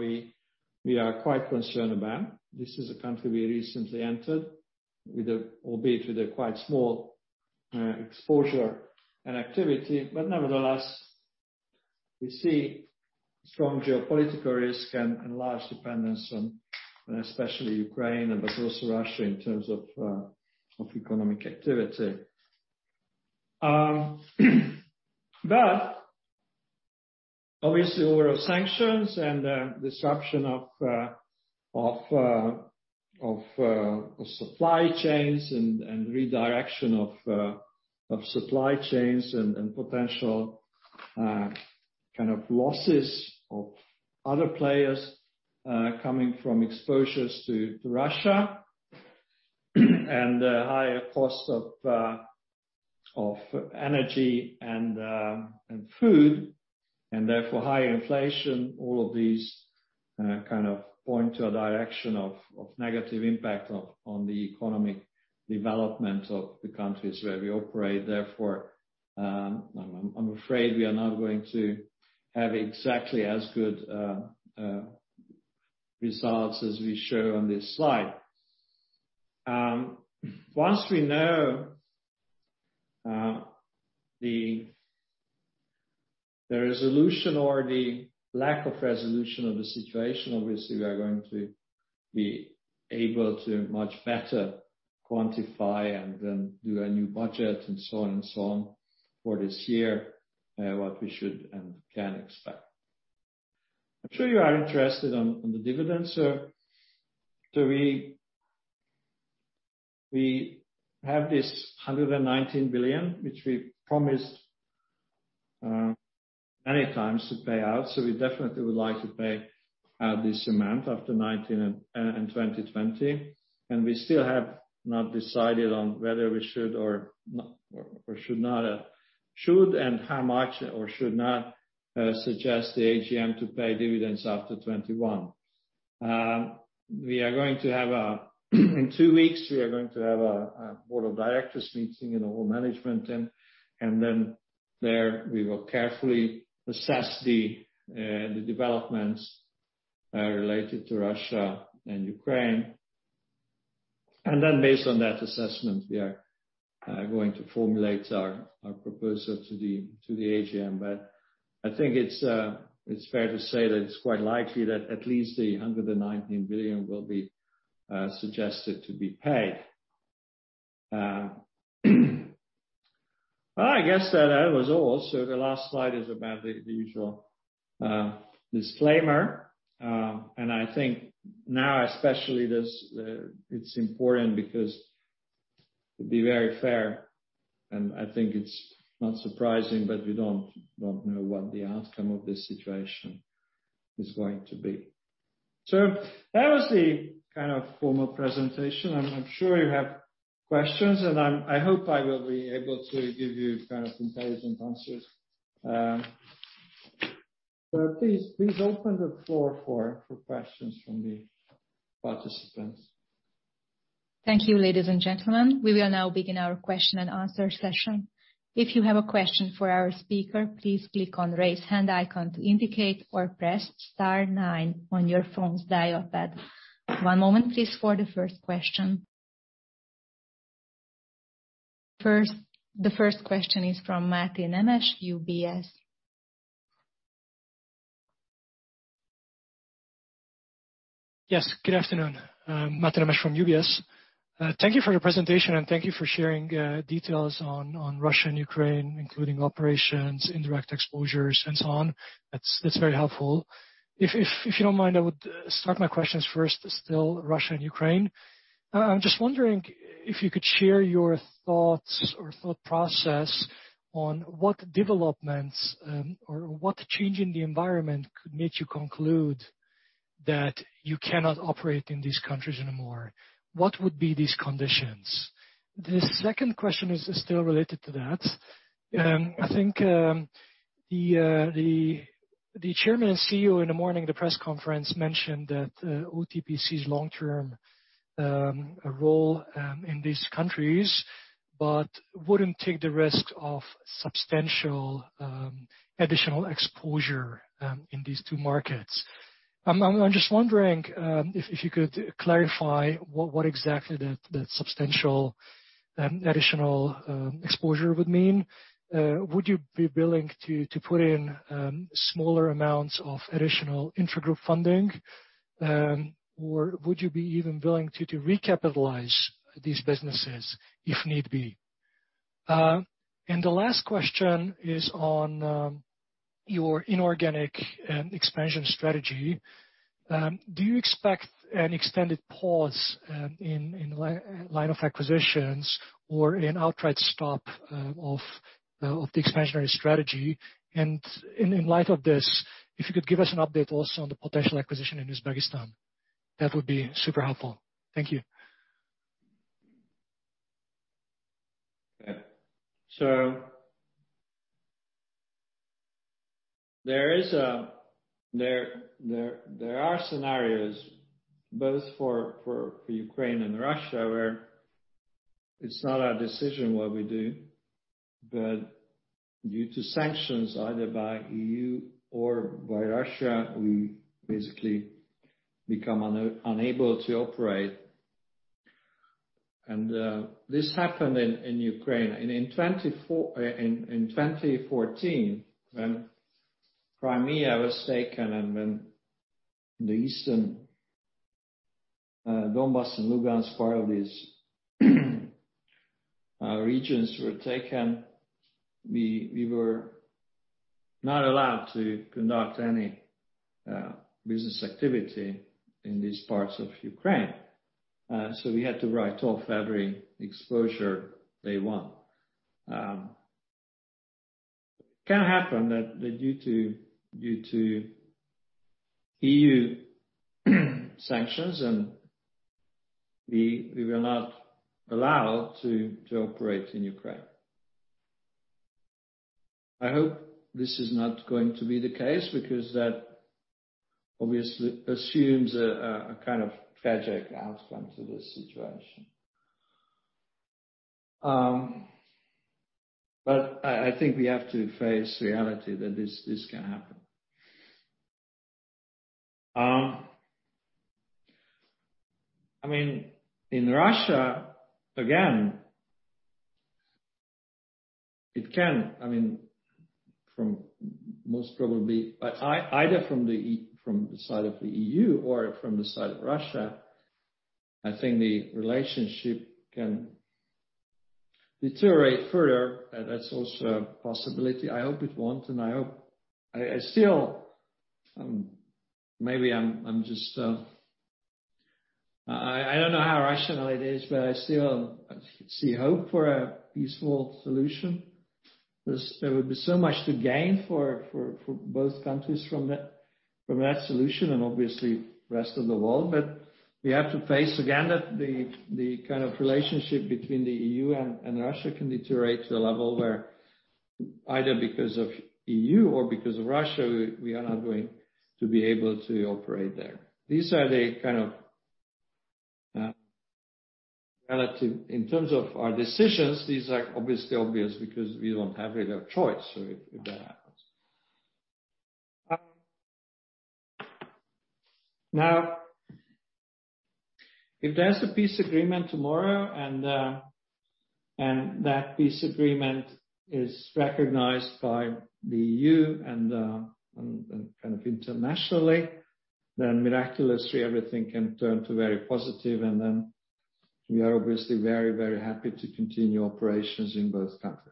we are quite concerned about. This is a country we recently entered, albeit with a quite small exposure and activity. Nevertheless, we see strong geopolitical risk and large dependence on especially Ukraine, but also Russia in terms of economic activity. Obviously order of sanctions and disruption of supply chains and redirection of supply chains and potential kind of losses of other players coming from exposures to Russia. Higher costs of energy and food, and therefore higher inflation. All of these kind of point to a direction of negative impact on the economic development of the countries where we operate. Therefore, I'm afraid we are not going to have exactly as good results as we show on this slide. Once we know the resolution or the lack of resolution of the situation, obviously we are going to be able to much better quantify and then do a new budget and so on and so on for this year, what we should and can expect. I'm sure you are interested on the dividends. We have this 119 billion, which we promised many times to pay out, so we definitely would like to pay out this amount after 2019 and 2020. We still have not decided on whether we should or not, or should not, should and how much or should not suggest the AGM to pay dividends after 2021. We are going to have a board of directors meeting and the whole management in two weeks. Then there we will carefully assess the developments related to Russia and Ukraine. Based on that assessment, we are going to formulate our proposal to the AGM. I think it's fair to say that it's quite likely that at least 119 billion will be suggested to be paid. I guess that was all. The last slide is about the usual disclaimer. I think now especially this it's important because to be very fair, and I think it's not surprising, but we don't know what the outcome of this situation is going to be. That was the kind of formal presentation. I'm sure you have questions, and I hope I will be able to give you kind of intelligent answers. Please open the floor for questions from the participants. Thank you, ladies and gentlemen. We will now begin our question and answer session. If you have a question for our speaker, please click on raise hand icon to indicate or press star nine on your phone's dial pad. One moment please for the first question. The first question is from Máté Nemes, UBS. Yes, good afternoon. Máté Nemes from UBS. Thank you for your presentation, and thank you for sharing details on Russia and Ukraine, including operations, indirect exposures and so on. That's very helpful. If you don't mind, I would start my questions first still Russia and Ukraine. I'm just wondering if you could share your thoughts or thought process on what developments or what change in the environment could make you conclude that you cannot operate in these countries anymore. What would be these conditions? The second question is still related to that. I think the chairman and CEO in the morning the press conference mentioned that OTP sees long-term role in these countries, but wouldn't take the risk of substantial additional exposure in these two markets. I'm just wondering if you could clarify what exactly that substantial additional exposure would mean. Would you be willing to put in smaller amounts of additional intra-group funding? Or would you be even willing to recapitalize these businesses if need be? The last question is on your inorganic and expansion strategy. Do you expect an extended pause in line of acquisitions or an outright stop of the expansionary strategy? In light of this, if you could give us an update also on the potential acquisition in Uzbekistan. That would be super helpful. Thank you. Okay. There are scenarios both for Ukraine and Russia where it's not our decision what we do, but due to sanctions either by EU or by Russia, we basically become unable to operate. This happened in Ukraine. In 2014, when Crimea was taken and when the Eastern Donbas and Luhansk part of these regions were taken, we were not allowed to conduct any business activity in these parts of Ukraine. So we had to write off every exposure day one. It can happen that due to EU sanctions, we were not allowed to operate in Ukraine. I hope this is not going to be the case because that obviously assumes a kind of tragic outcome to this situation. I think we have to face reality that this can happen. I mean, in Russia, again, it can. I mean, either from the side of the EU or from the side of Russia, I think the relationship can deteriorate further. That's also a possibility. I hope it won't. I still, maybe I'm just, I don't know how rational it is, but I still see hope for a peaceful solution. There would be so much to gain for both countries from that solution and obviously rest of the world. We have to face again that the kind of relationship between the EU and Russia can deteriorate to a level where either because of EU or because of Russia, we are not going to be able to operate there. In terms of our decisions, these are obvious because we don't have really a choice if that happens. Now, if there's a peace agreement tomorrow, and that peace agreement is recognized by the EU and kind of internationally, then miraculously everything can turn to very positive, and then we are obviously very happy to continue operations in both countries.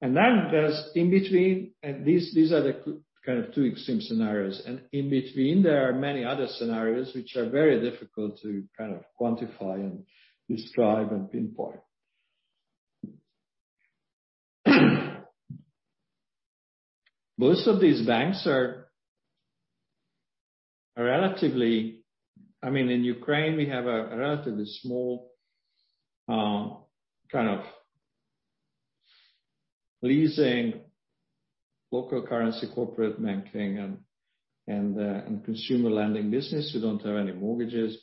Then there's in between, and these are the kind of two extreme scenarios. In between, there are many other scenarios which are very difficult to kind of quantify and describe and pinpoint. Most of these banks are relatively. I mean, in Ukraine, we have a relatively small kind of leasing local currency corporate banking and consumer lending business. We don't have any mortgages.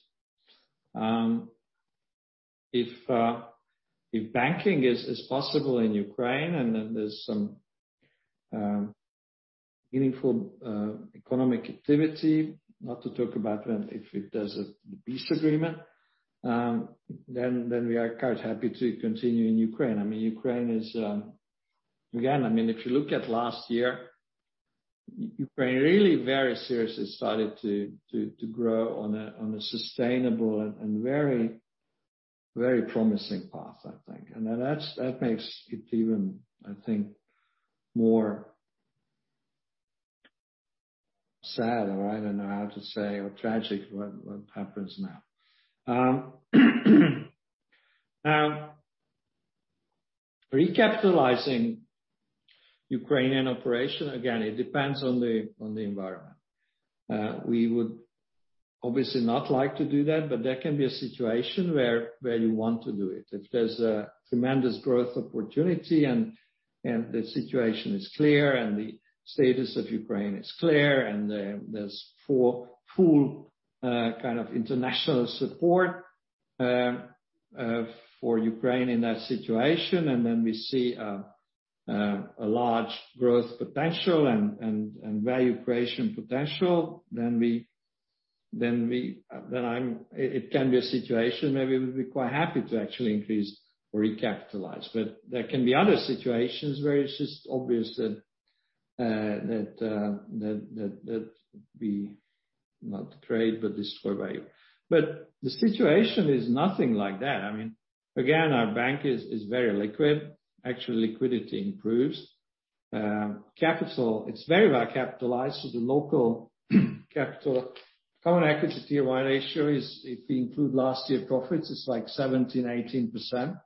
If banking is possible in Ukraine, and then there's some meaningful economic activity, not to talk about when, if there's a peace agreement, then we are quite happy to continue in Ukraine. I mean, Ukraine is, again, I mean, if you look at last year, Ukraine really very seriously started to grow on a sustainable and very promising path, I think. That makes it even more sad, or I don't know how to say, or tragic what happens now. Recapitalizing Ukrainian operation, again, it depends on the environment. We would obviously not like to do that, but there can be a situation where you want to do it. If there's a tremendous growth opportunity and the situation is clear, and the status of Ukraine is clear, and there's full kind of international support for Ukraine in that situation, and then we see a large growth potential and value creation potential, then it can be a situation maybe we'll be quite happy to actually increase or recapitalize. There can be other situations where it's just obvious that we do not create but destroy value. The situation is nothing like that. I mean, again, our bank is very liquid. Actually, liquidity improves. Capital, it's very well capitalized. The local capital, Common Equity Tier 1 ratio is, if we include last year profits, it's like 17%-18%.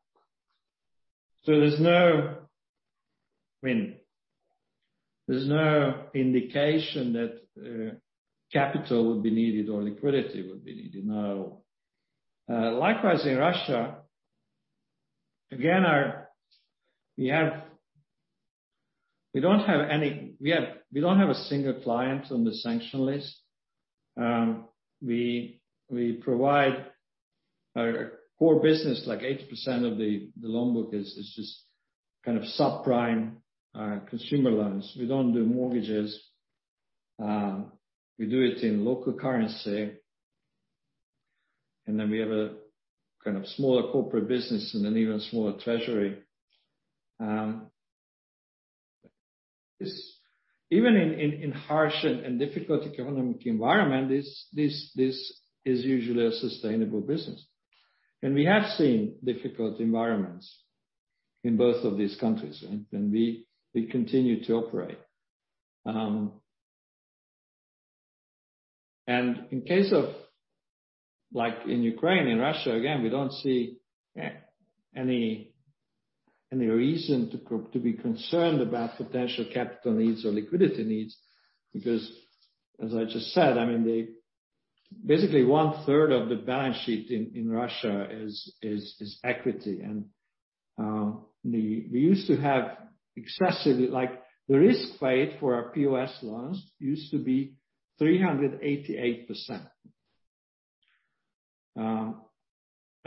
There's no indication that capital would be needed or liquidity would be needed, no. Likewise, in Russia, again, we don't have a single client on the sanction list. We provide our core business like 80% of the loan book is just kind of subprime consumer loans. We don't do mortgages. We do it in local currency. Then we have a kind of smaller corporate business and an even smaller treasury. This even in harsh and difficult economic environment, this is usually a sustainable business. We have seen difficult environments in both of these countries. We continue to operate. In case of like in Ukraine, in Russia, again, we don't see any reason to be concerned about potential capital needs or liquidity needs because as I just said, I mean, the basically, one-third of the balance sheet in Russia is equity. We used to have excessively like, the risk weight for our POS loans used to be 388%.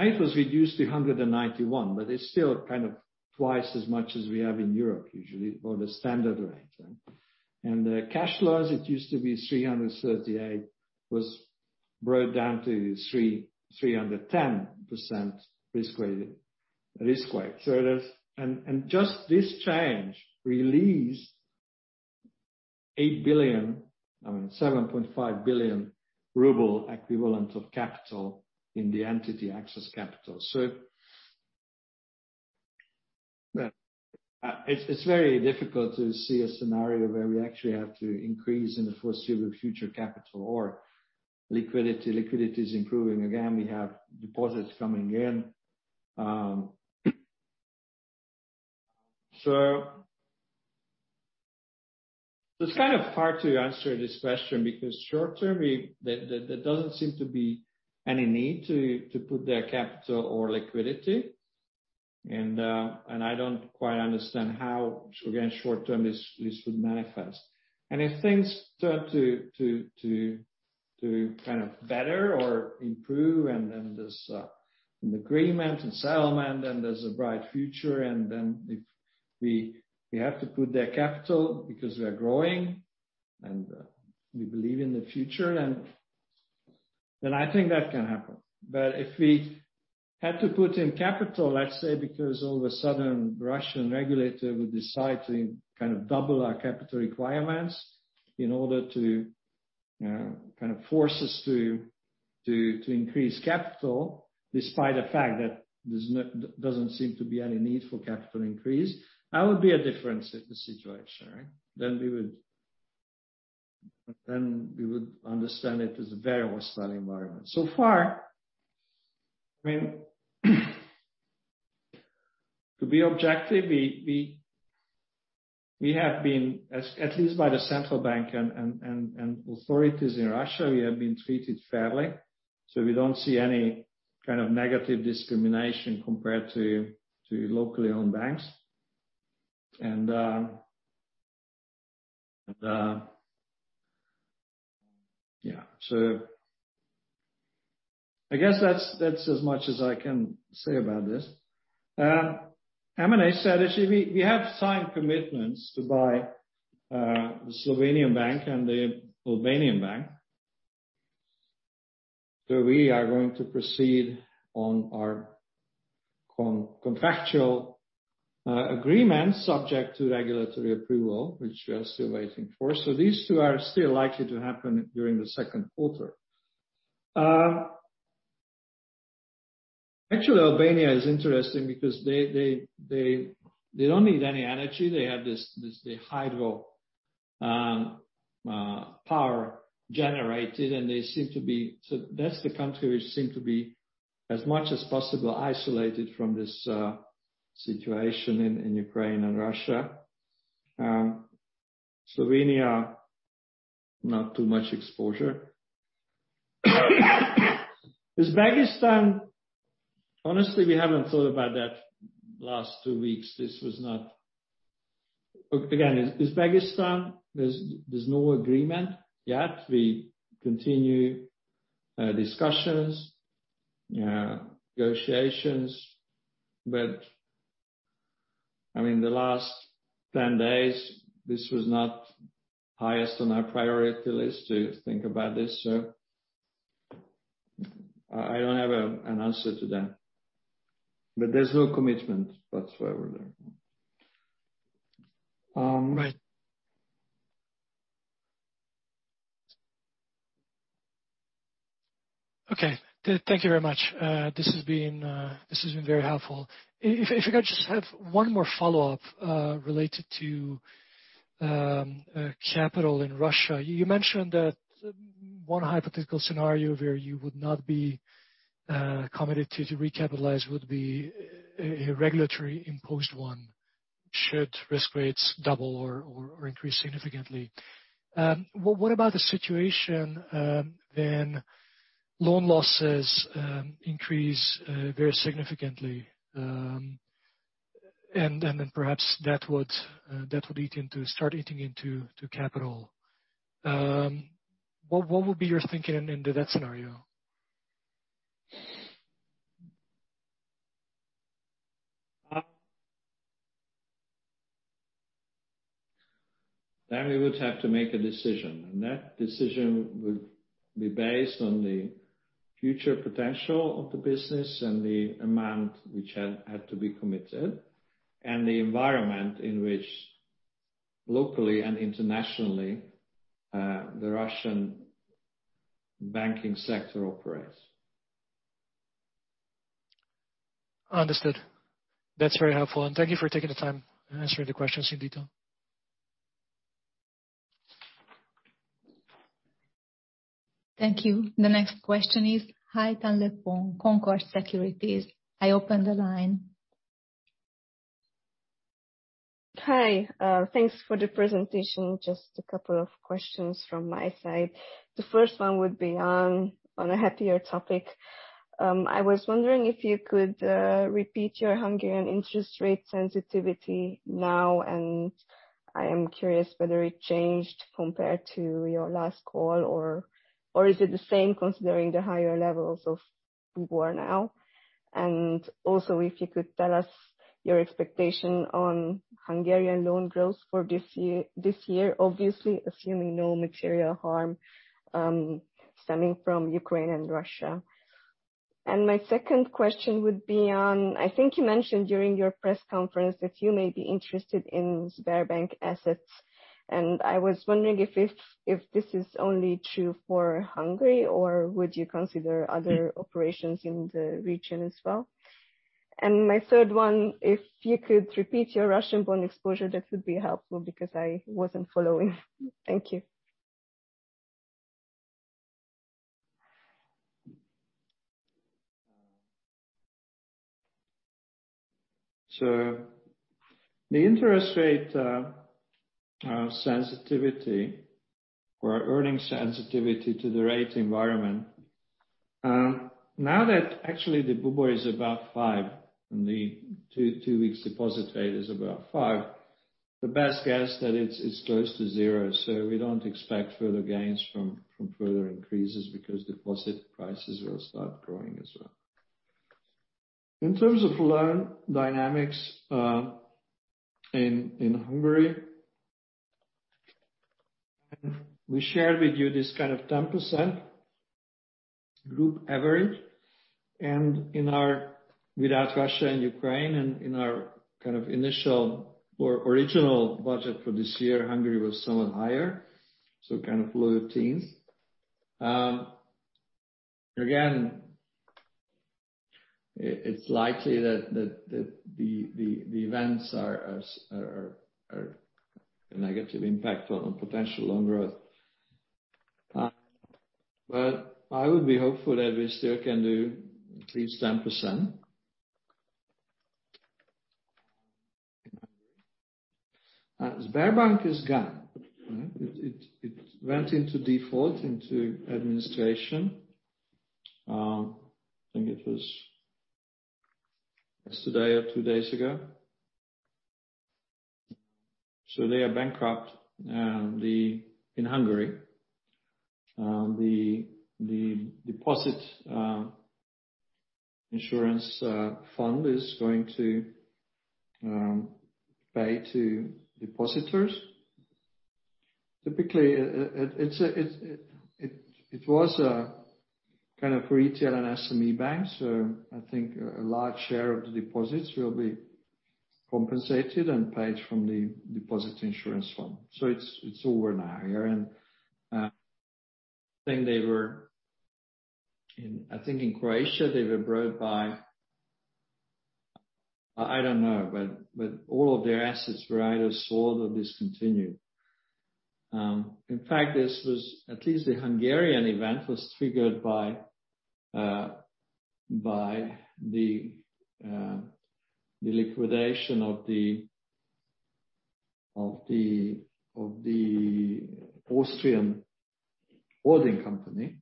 It was reduced to 191%, but it's still kind of twice as much as we have in Europe usually, or the standard range. The cash loans, it used to be 338%, was brought down to 310% risk weight. Just this change released 8 billion, I mean, 7.5 billion ruble equivalent of capital in the entity access capital. It's very difficult to see a scenario where we actually have to increase in the foreseeable future capital or liquidity. Liquidity is improving. Again, we have deposits coming in. It's kind of hard to answer this question because short term there doesn't seem to be any need to put their capital or liquidity. I don't quite understand how, again, short term this would manifest. If things turn to kind of better or improve and then there's an agreement and settlement, and there's a bright future, and then if we have to put their capital because we are growing, and we believe in the future, and then I think that can happen. If we had to put in capital, let's say, because all of a sudden Russian regulator would decide to kind of double our capital requirements in order to kind of force us to increase capital despite the fact that doesn't seem to be any need for capital increase, that would be a different situation, right? We would understand it as a very hostile environment. So far, I mean, to be objective, we have been treated fairly at least by the central bank and authorities in Russia. We don't see any kind of negative discrimination compared to locally owned banks. Yeah. I guess that's as much as I can say about this. M&A strategy, we have signed commitments to buy the Slovenian bank and the Albanian bank. We are going to proceed on our contractual agreement subject to regulatory approval, which we are still waiting for. These two are still likely to happen during the second quarter. Actually, Albania is interesting because they don't need any energy. They have this, the hydro power generated, and they seem to be. That's the country which seem to be as much as possible isolated from this situation in Ukraine and Russia. Slovenia, not too much exposure. Uzbekistan, honestly, we haven't thought about that last two weeks. This was not. Again, Uzbekistan, there's no agreement yet. We continue discussions, negotiations. I mean, the last 10 days, this was not highest on our priority list to think about this. I don't have an answer to that. There's no commitment whatsoever there. Right. Okay. Thank you very much. This has been very helpful. If I could just have one more follow-up related to capital in Russia. You mentioned that one hypothetical scenario where you would not be committed to recapitalize would be a regulatory imposed one should risk weights double or increase significantly. What about the situation when loan losses increase very significantly, and then perhaps that would eat into capital. What would be your thinking in that scenario? We would have to make a decision, and that decision would be based on the future potential of the business and the amount which had to be committed, and the environment in which locally and internationally the Russian banking sector operates. Understood. That's very helpful. Thank you for taking the time and answering the questions in detail. Thank you. The next question is Hai Thanh Le Phuong, Concorde Securities. I open the line. Hi. Thanks for the presentation. Just a couple of questions from my side. The first one would be on a happier topic. I was wondering if you could repeat your Hungarian interest rate sensitivity now, and I am curious whether it changed compared to your last call, or is it the same considering the higher levels of war now? Also if you could tell us your expectation on Hungarian loan growth for this year, obviously assuming no material harm stemming from Ukraine and Russia. My second question would be on, I think you mentioned during your press conference that you may be interested in Sberbank assets, and I was wondering if this is only true for Hungary or would you consider other operations in the region as well? My third one, if you could repeat your Russian bond exposure, that would be helpful because I wasn't following. Thank you. The interest rate sensitivity or earning sensitivity to the rate environment, now that actually the BUBOR is about 5% and the two-week deposit rate is about 5%. The best guess that it's close to zero, so we don't expect further gains from further increases because deposit prices will start growing as well. In terms of loan dynamics, in Hungary, we shared with you this kind of 10% group average, and in our without Russia and Ukraine, and in our kind of initial or original budget for this year, Hungary was somewhat higher, so kind of low teens. Again, it's likely that the events are a negative impact on potential loan growth. But I would be hopeful that we still can do at least 10%. Sberbank is gone. It went into default, into administration. I think it was yesterday or two days ago. They are bankrupt. In Hungary, the deposit insurance fund is going to pay to depositors. Typically, it was a kind of retail and SME bank, so I think a large share of the deposits will be compensated and paid from the deposit insurance fund. It's over now here. I think in Croatia they were brought by. I don't know, but all of their assets were either sold or discontinued. In fact, this was at least the Hungarian event was triggered by the liquidation of the Austrian holding company.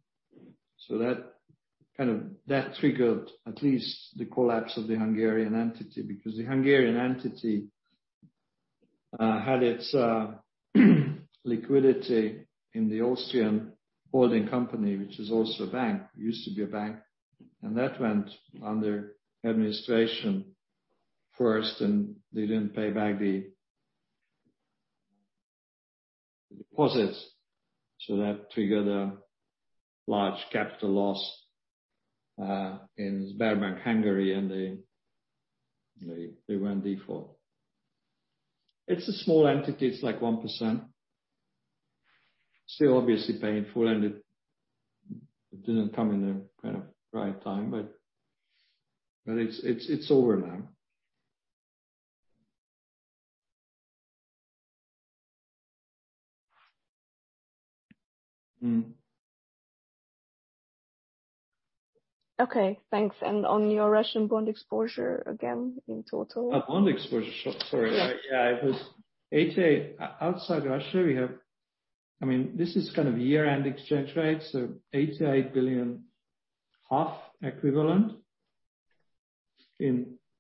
That triggered at least the collapse of the Hungarian entity because the Hungarian entity had its liquidity in the Austrian holding company, which is also a bank. It used to be a bank. That went under administration first, and they didn't pay back the deposits, so that triggered a large capital loss in Sberbank Hungary and they went default. It's a small entity. It's like 1%. Still obviously painful and it didn't come in the kind of right time, but it's over now. Okay, thanks. On your Russian bond exposure again, in total. Our bond exposure. Yeah. Yeah. It was 88 billion outside Russia, we have. I mean, this is kind of year-end exchange rates, so 88 billion equivalent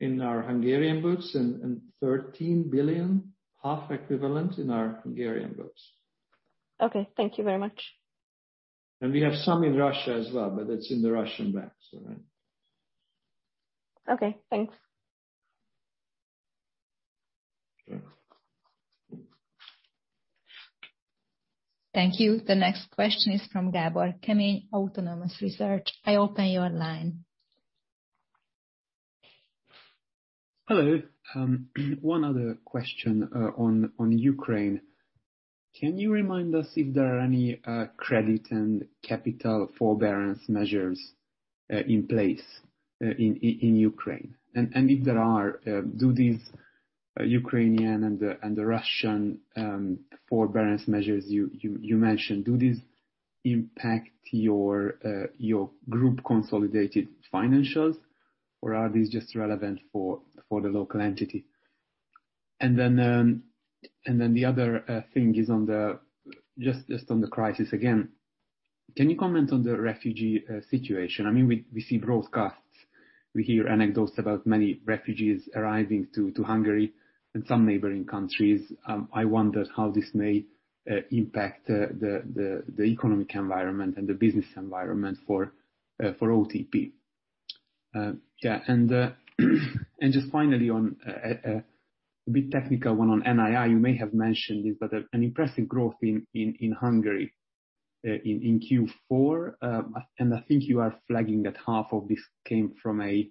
in our Hungarian books and HUF 13 billion equivalent in our Hungarian books. Okay. Thank you very much. We have some in Russia as well, but it's in the Russian banks. All right. Okay, thanks. Sure. Thank you. The next question is from Gábor Kemény, Autonomous Research. I open your line. Hello. One other question on Ukraine. Can you remind us if there are any credit and capital forbearance measures in place in Ukraine? And if there are, do these Ukrainian and Russian forbearance measures you mentioned impact your group consolidated financials or are these just relevant for the local entity? Then the other thing is just on the crisis again. Can you comment on the refugee situation? I mean, we see broadcasts, we hear anecdotes about many refugees arriving to Hungary and some neighboring countries. I wonder how this may impact the economic environment and the business environment for OTP. Yeah. Just finally on a bit technical one on NII. You may have mentioned this, but an impressive growth in Hungary in Q4. I think you are flagging that half of this came from a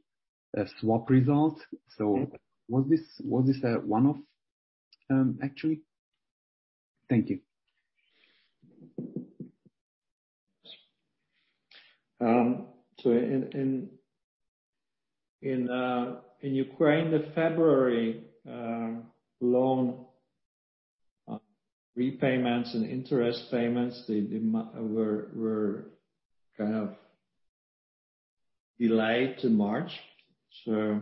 swap result. Was this a one-off, actually? Thank you. In Ukraine, the February loan repayments and interest payments were kind of delayed to March. In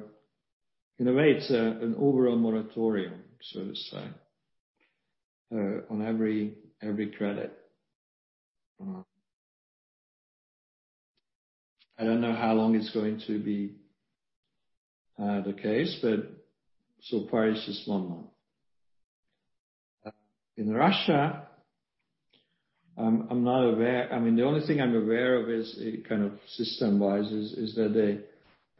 a way it's an overall moratorium, so to say, on every credit. I don't know how long it's going to be the case, but so far it's just one month. In Russia, I mean, the only thing I'm aware of is it kind of system-wise that they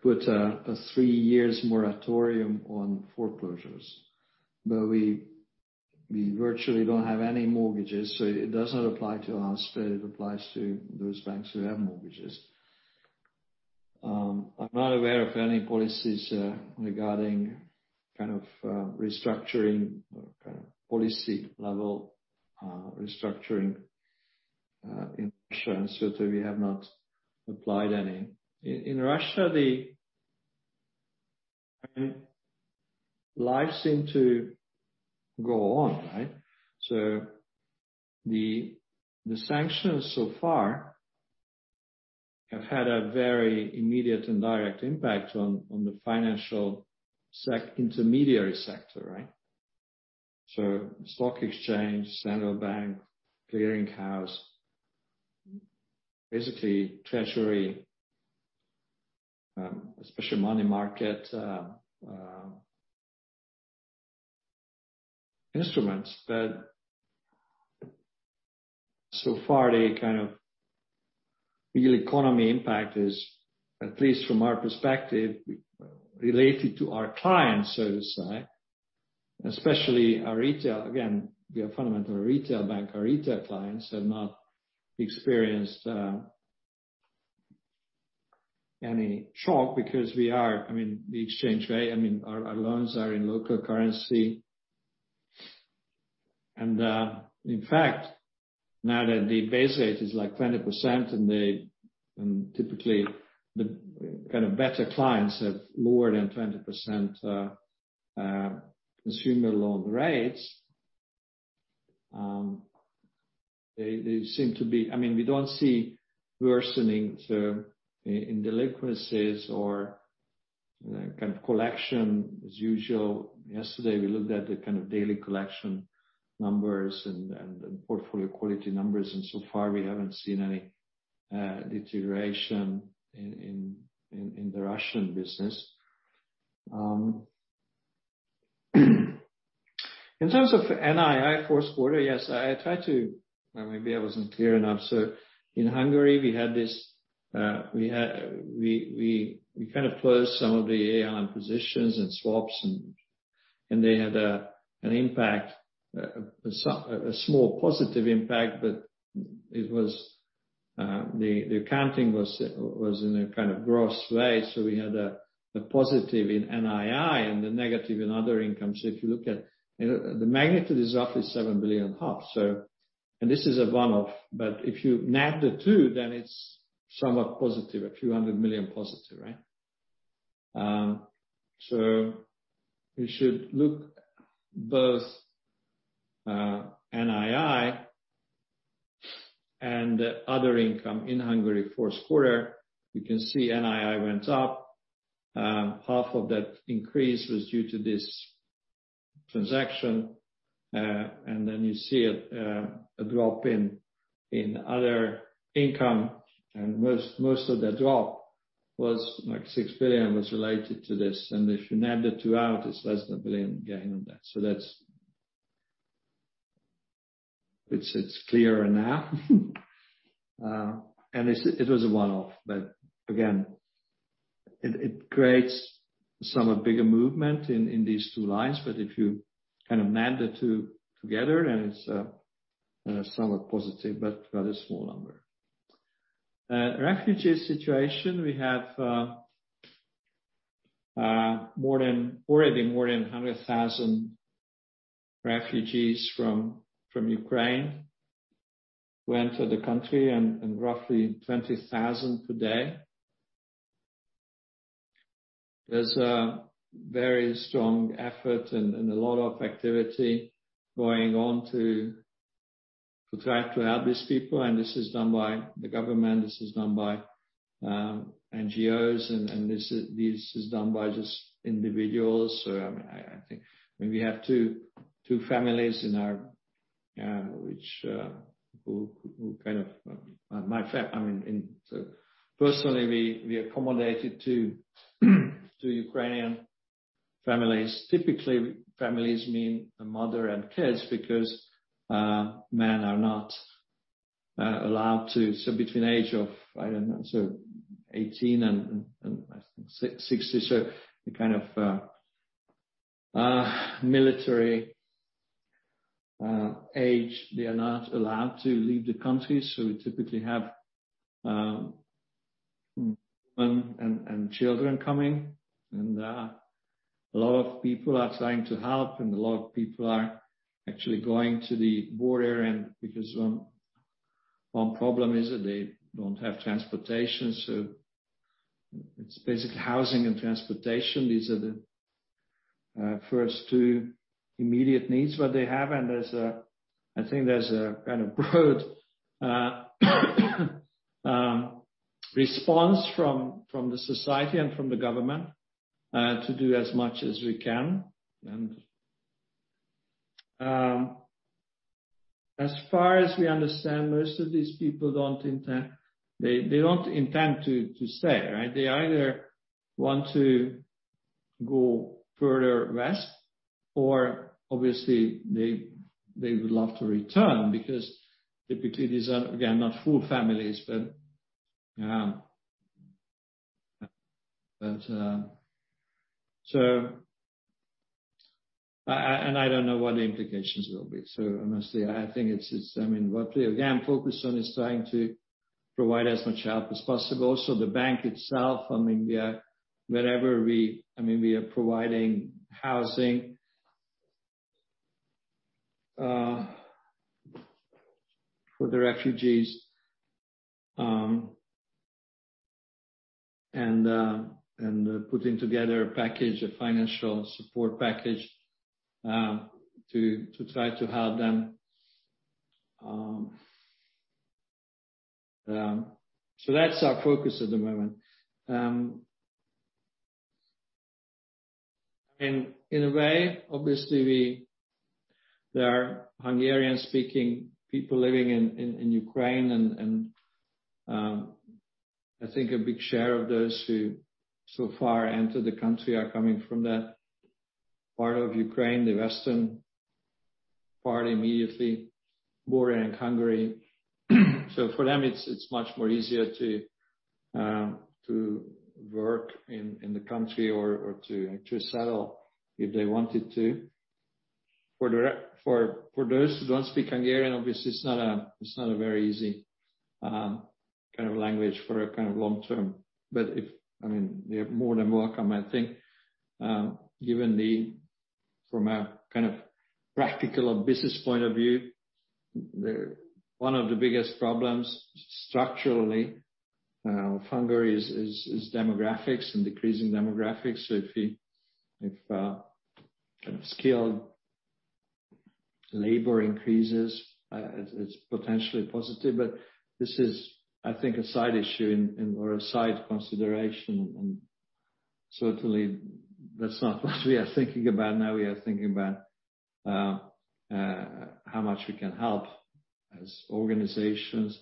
put a three-year moratorium on foreclosures. We virtually don't have any mortgages, so it does not apply to us, but it applies to those banks who have mortgages. I'm not aware of any policies regarding kind of restructuring or kind of policy level restructuring in Russia, and certainly we have not applied any. In Russia, life seems to go on, right? The sanctions so far have had a very immediate and direct impact on the financial intermediary sector, right? Stock exchange, central bank, clearing house, basically treasury, especially money market instruments. That so far the kind of real economy impact is, at least from our perspective, related to our clients, so to say, especially our retail. Again, we are fundamentally a retail bank. Our retail clients have not experienced any shock because we are. I mean, exchange rate. I mean, our loans are in local currency. In fact, now that the base rate is like 20%. Typically the kind of better clients have lower than 20%, consumer loan rates, they seem to be. I mean, we don't see worsening, so in delinquencies or kind of collection as usual. Yesterday, we looked at the kind of daily collection numbers and portfolio quality numbers, and so far we haven't seen any deterioration in the Russian business. In terms of NII fourth quarter, yes, or maybe I wasn't clear enough. In Hungary, we had this, we kind of closed some of the AI positions and swaps and they had an impact, a small positive impact, but the accounting was in a kind of gross way, so we had a positive in NII and a negative in other income. If you look at you know, the magnitude is roughly 7 Billion. This is a one-off, but if you net the two, then it's somewhat positive, a few 100 million positive, right? You should look at both NII and other income in Hungary fourth quarter. You can see NII went up. Half of that increase was due to this transaction. Then you see a drop in other income, and most of the drop was like 6 billion was related to this. If you net the two out, it's less than 1 billion gain on that. That's clearer now. It was a one-off, but again, it creates somewhat bigger movement in these two lines. If you kind of net the two together, it's somewhat positive but rather small number. Refugee situation, we have already more than 100,000 refugees from Ukraine who entered the country and roughly 20,000 per day. There's a very strong effort and a lot of activity going on to try to help these people, and this is done by the government, this is done by NGOs, and this is done by just individuals. I think I mean, we have two families in our which who kind of my fa- I mean in. Personally, we accommodated two Ukrainian families. Typically, families mean a mother and kids because men are not allowed to. Between age of, I don't know, so 18 years and I think 60 years. The kind of military age they are not allowed to leave the country. We typically have women and children coming. A lot of people are trying to help, and a lot of people are actually going to the border because one problem is that they don't have transportation. It's basically housing and transportation. These are the first two immediate needs that they have. I think there's a kind of broad response from the society and from the government to do as much as we can. As far as we understand, most of these people don't intend to stay, right? They either want to go further west or obviously they would love to return because typically these are, again, not full families. I don't know what the implications will be. Honestly I think it's I mean, what we again focus on is trying to provide as much help as possible. The bank itself, I mean, we are providing housing for the refugees and putting together a package, a financial support package, to try to help them. That's our focus at the moment. I mean, in a way, obviously. There are Hungarian-speaking people living in Ukraine and I think a big share of those who so far entered the country are coming from that part of Ukraine, the western part immediately bordering Hungary. For them it's much more easier to work in the country or to settle if they wanted to. For those who don't speak Hungarian, obviously it's not a very easy kind of language for a kind of long-term. I mean, they're more than welcome I think. From a kind of practical or business point of view, one of the biggest problems structurally, Hungary is demographics and decreasing demographics. If kind of skilled labor increases, it's potentially positive. This is, I think, a side issue or a side consideration. Certainly that's not what we are thinking about now. We are thinking about how much we can help as organizations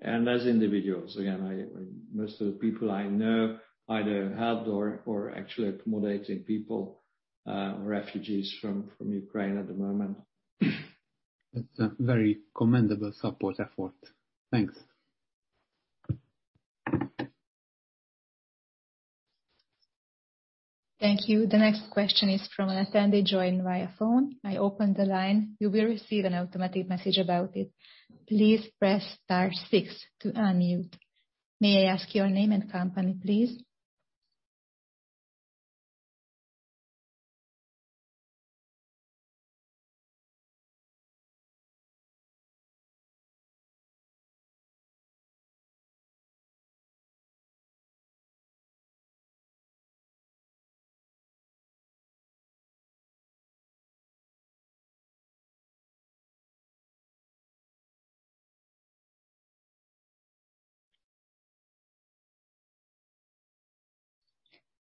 and as individuals. Again, most of the people I know either helped or are actually accommodating people, refugees from Ukraine at the moment. That's a very commendable support effort. Thanks. Thank you. The next question is from an attendee joined via phone. I open the line. You will receive an automatic message about it. Please press star six to unmute. May I ask your name and company, please?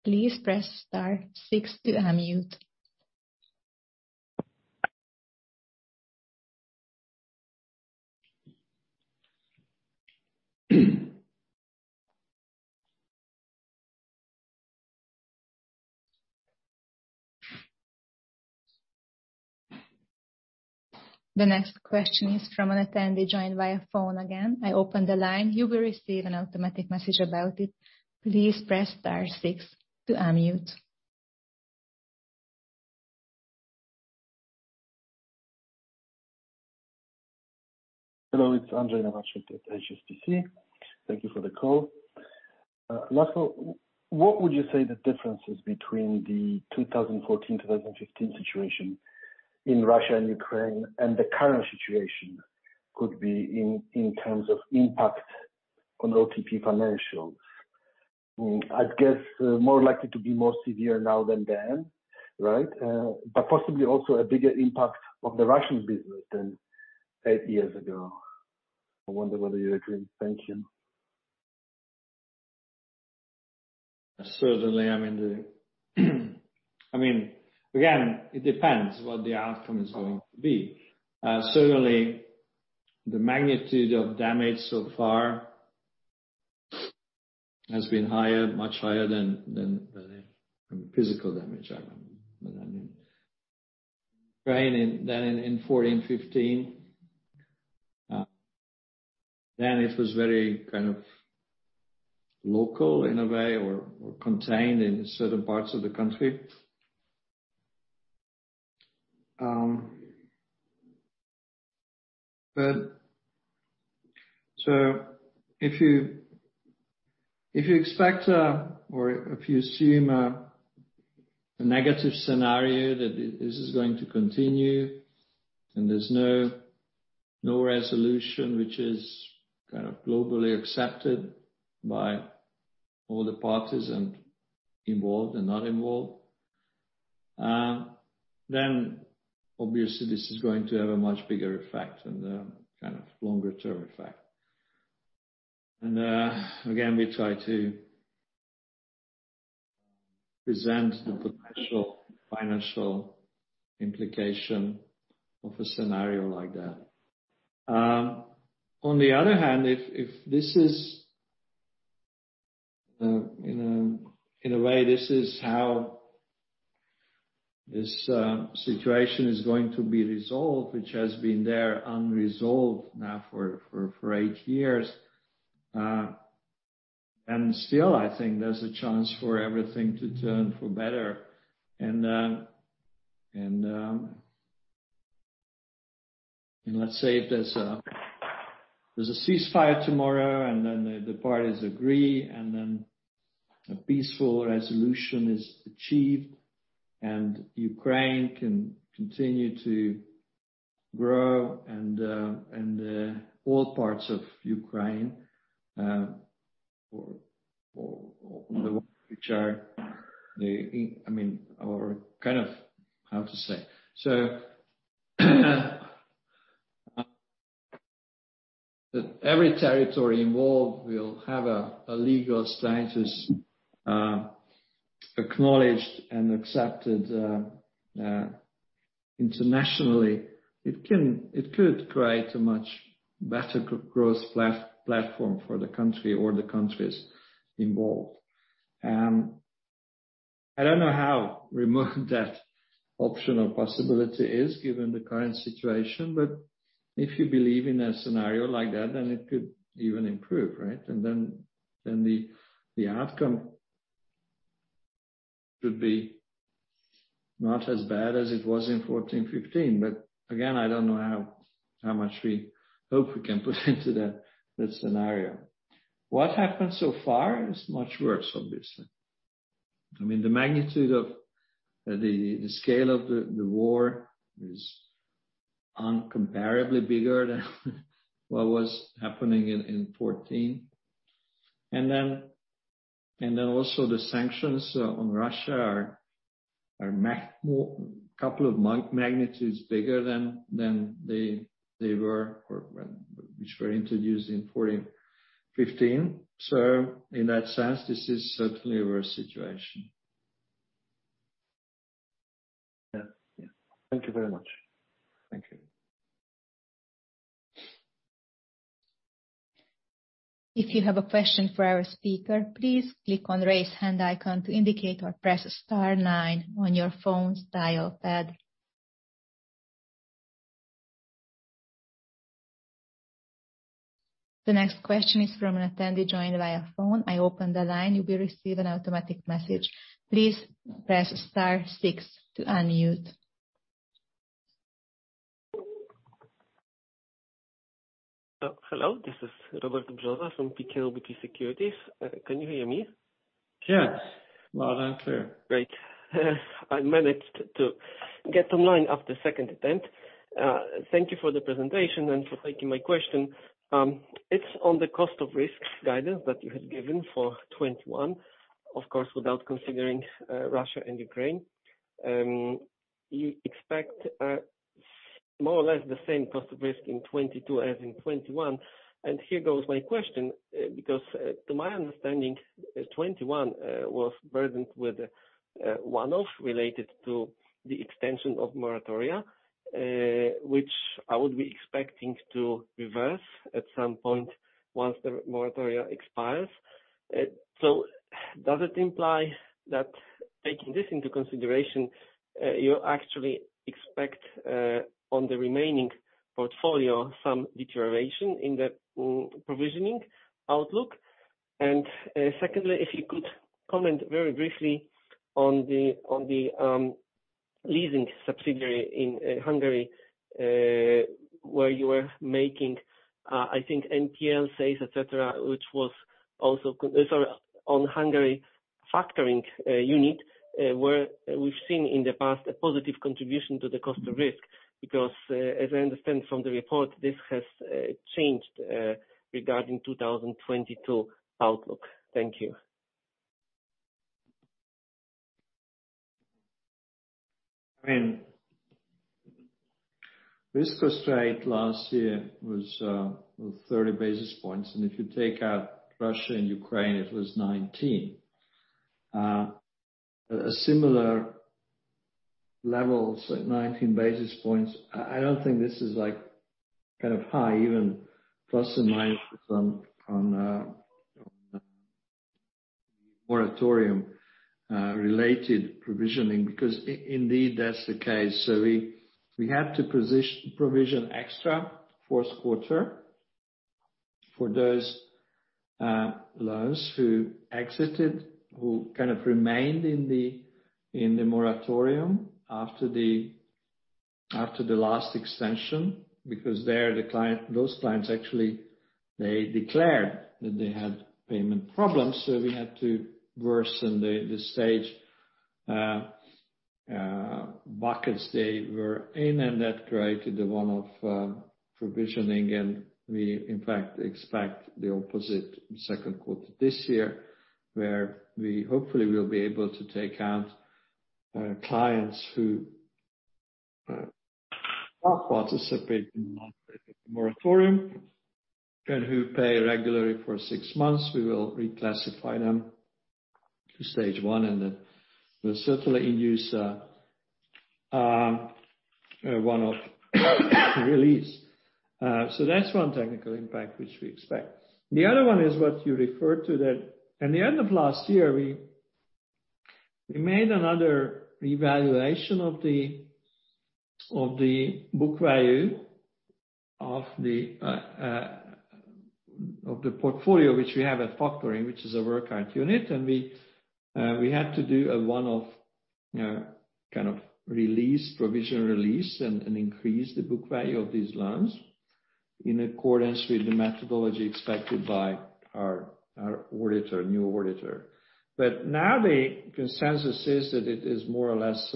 Please press star six to unmute. The next question is from an attendee joined via phone again. I open the line. You will receive an automatic message about it. Please press star six to unmute. Hello, it's Andrzej Nowaczek at HSBC. Thank you for the call. László, what would you say the difference is between the 2014, 2015 situation in Russia and Ukraine and the current situation could be in terms of impact on OTP financials? I'd guess more likely to be more severe now than then, right? Possibly also a bigger impact on the Russian business than eight years ago. I wonder whether you agree. Thank you. Certainly, I mean, again, it depends what the outcome is going to be. Certainly the magnitude of damage so far has been higher, much higher than physical damage in Ukraine than in 2014, 2015. It was very kind of local in a way or contained in certain parts of the country. If you expect, or if you assume a negative scenario that this is going to continue and there's no resolution which is kind of globally accepted by all the parties involved and not involved, then obviously this is going to have a much bigger effect and a kind of longer-term effect. Again, we try to present the potential financial implication of a scenario like that. On the other hand, if this is in a way this is how this situation is going to be resolved, which has been there unresolved now for eight years. Still, I think there's a chance for everything to turn for better. Let's say if there's a ceasefire tomorrow, and then the parties agree, and then a peaceful resolution is achieved and Ukraine can continue to grow and all parts of Ukraine or the ones which are the, I mean, are kind of, so every territory involved will have a legal status acknowledged and accepted internationally. It could create a much better growth platform for the country or the countries involved. I don't know how remote that option or possibility is given the current situation, but if you believe in a scenario like that, then it could even improve, right? The outcome could be not as bad as it was in 2014, 2015. Again, I don't know how much we hope we can put into that scenario. What happened so far is much worse, obviously. I mean, the magnitude of the scale of the war is incomparably bigger than what was happening in 2014. Also the sanctions on Russia are a couple of magnitudes bigger than they were, which were introduced in 2014, 2015. In that sense, this is certainly a worse situation. Yeah. Yeah. Thank you very much. Thank you. If you have a question for our speaker, please click on the raise hand icon to indicate or press star nine on your phone's dial pad. The next question is from an attendee joined via phone. I open the line. You will receive an automatic message. Please press star six to unmute. Hello. This is Robert Brzoza from PKO BP Securities. Can you hear me? Yes. Loud and clear. Great. I managed to get online after second attempt. Thank you for the presentation and for taking my question. It's on the cost of risk guidance that you had given for 2021, of course, without considering Russia and Ukraine. You expect more or less the same cost of risk in 2022 as in 2021, and here goes my question. Because to my understanding, 2021 was burdened with a one-off related to the extension of moratoria, which I would be expecting to reverse at some point once the moratoria expires. Does it imply that taking this into consideration, you actually expect on the remaining portfolio some deterioration in the provisioning outlook? Secondly, if you could comment very briefly on the Hungary factoring unit, where we've seen in the past a positive contribution to the cost of risk, because as I understand from the report, this has changed regarding 2022 outlook. Thank you. I mean, cost of risk last year was 30 basis points, and if you take out Russia and Ukraine, it was 19 basis points. Similar levels at 19 basis points, I don't think this is like kind of high, even plus or minus on the moratorium related provisioning, because indeed, that's the case. We had to provision extra in the fourth quarter for those loans who kind of remained in the moratorium after the last extension, because those clients actually declared that they had payment problems, so we had to worsen the stage buckets they were in, and that created the one-off provisioning. We in fact expect the opposite second quarter this year, where we hopefully will be able to take out clients who are participating in the moratorium and who pay regularly for six months. We will reclassify them to Stage 1, and then we'll certainly use one-off release. So that's one technical impact which we expect. The other one is what you referred to that in the end of last year, we made another revaluation of the book value of the portfolio, which we have at factoring, which is a work out unit. We had to do a one-off kind of release, provision release, and increase the book value of these loans in accordance with the methodology expected by our auditor, new auditor. Now the consensus is that it is more or less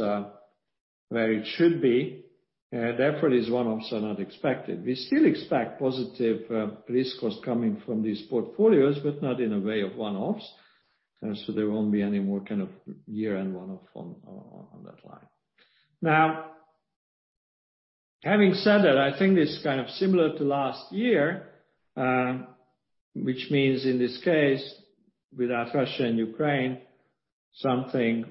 where it should be, therefore these one-offs are not expected. We still expect positive risk costs coming from these portfolios, but not in the way of one-offs. So there won't be any more kind of year-end one-off on that line. Now, having said that, I think it's kind of similar to last year, which means in this case, without Russia and Ukraine, something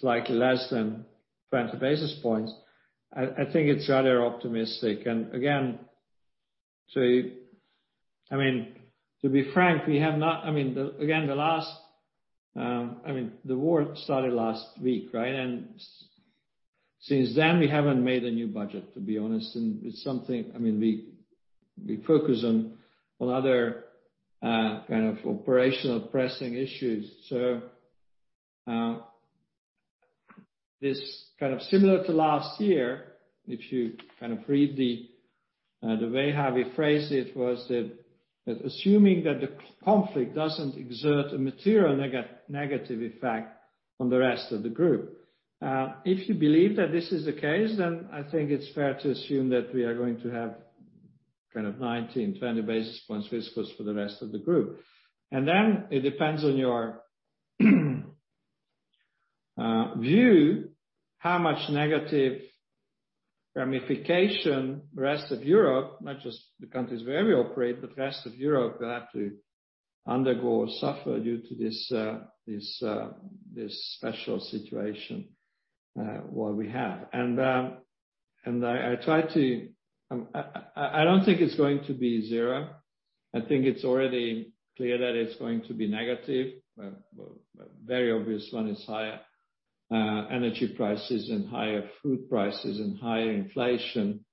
slightly less than 20 basis points. I think it's rather optimistic. Again, I mean, to be frank, we have not I mean the again, the last I mean, the war started last week, right? Since then, we haven't made a new budget, to be honest. It's something I mean, we focus on other kind of operational pressing issues. This is kind of similar to last year, if you kind of read the way how we phrased it, was that assuming that the conflict doesn't exert a material negative effect on the rest of the group. If you believe that this is the case, then I think it's fair to assume that we are going to have kind of 19 basis points, 20 basis points risk cost for the rest of the group. Then it depends on your view how much negative ramification rest of Europe, not just the countries where we operate, but rest of Europe will have to undergo or suffer due to this special situation what we have. I don't think it's going to be zero. I think it's already clear that it's going to be negative. Very obvious one is higher energy prices and higher food prices and higher inflation.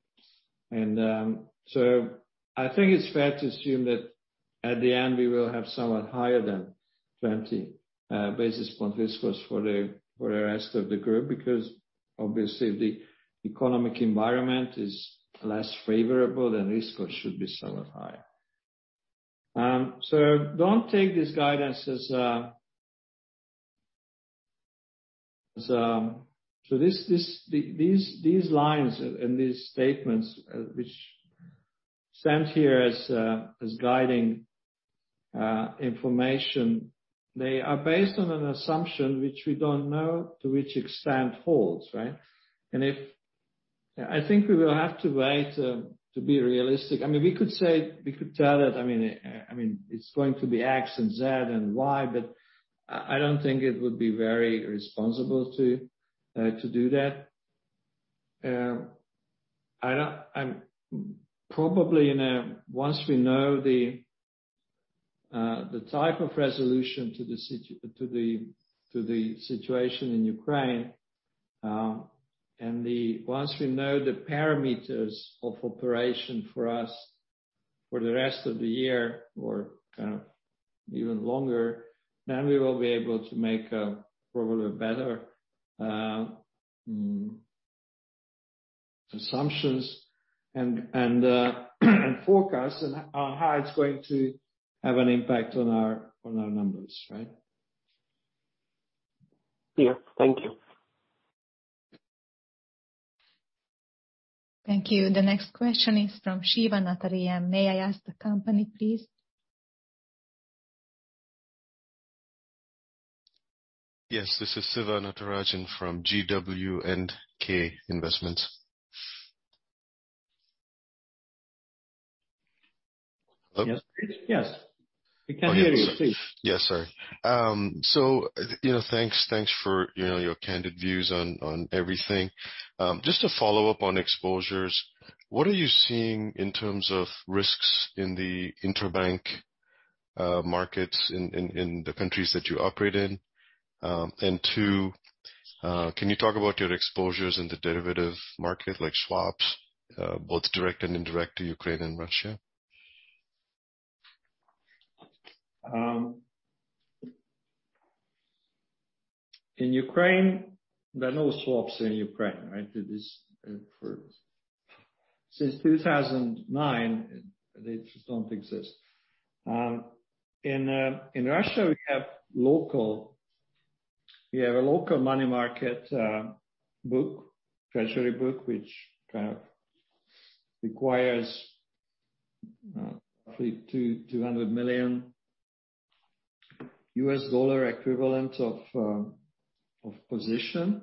I think it's fair to assume that at the end, we will have somewhat higher than 20 basis point risk weights for the rest of the group because obviously the economic environment is less favorable. Risk weights should be somewhat higher. Don't take this guidance as. These lines and these statements, which stand here as guiding information, they are based on an assumption which we don't know to which extent holds, right? I think we will have to wait to be realistic. I mean, we could say we could tell it. I mean, it's going to be X and Z and Y, but I don't think it would be very responsible to do that. Once we know the type of resolution to the situation in Ukraine and the parameters of operation for us for the rest of the year or even longer, then we will be able to make probably better assumptions and forecast on how it's going to have an impact on our numbers. Right? Clear. Thank you. Thank you. The next question is from Siva Natarajan. May I ask the company, please? Yes. This is Siva Natarajan from GW&K Investment Management. Hello? Yes, please. Yes. We can't hear you. Please. Yes, sorry. You know, thanks for your candid views on everything. Just to follow up on exposures, what are you seeing in terms of risks in the interbank markets in the countries that you operate in? And two, can you talk about your exposures in the derivative market like swaps, both direct and indirect to Ukraine and Russia? In Ukraine, there are no swaps in Ukraine, right? Since 2009, they just don't exist. In Russia, we have a local money market book, treasury book, which kind of requires $200 million US dollar equivalent of position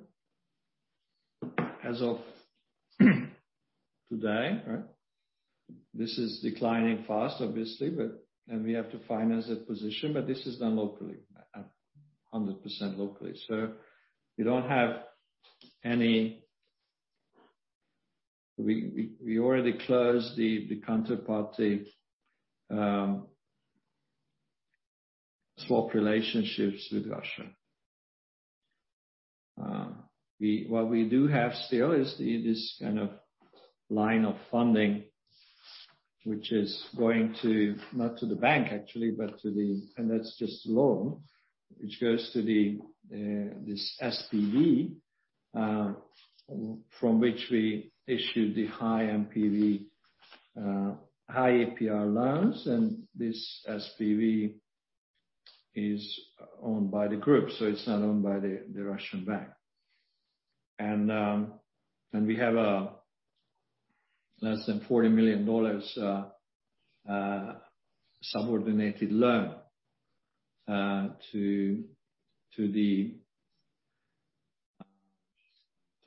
as of today, right? This is declining fast, obviously. We have to finance that position, but this is done locally, 100% locally. We already closed the counterparty swap relationships with Russia. What we do have still is this kind of line of funding, which is going to, not to the bank, actually, but to the That's just loan, which goes to this SPV from which we issue the high-yield high APR loans, and this SPV is owned by the group, so it's not owned by the Russian bank. We have less than $40 million subordinated loan to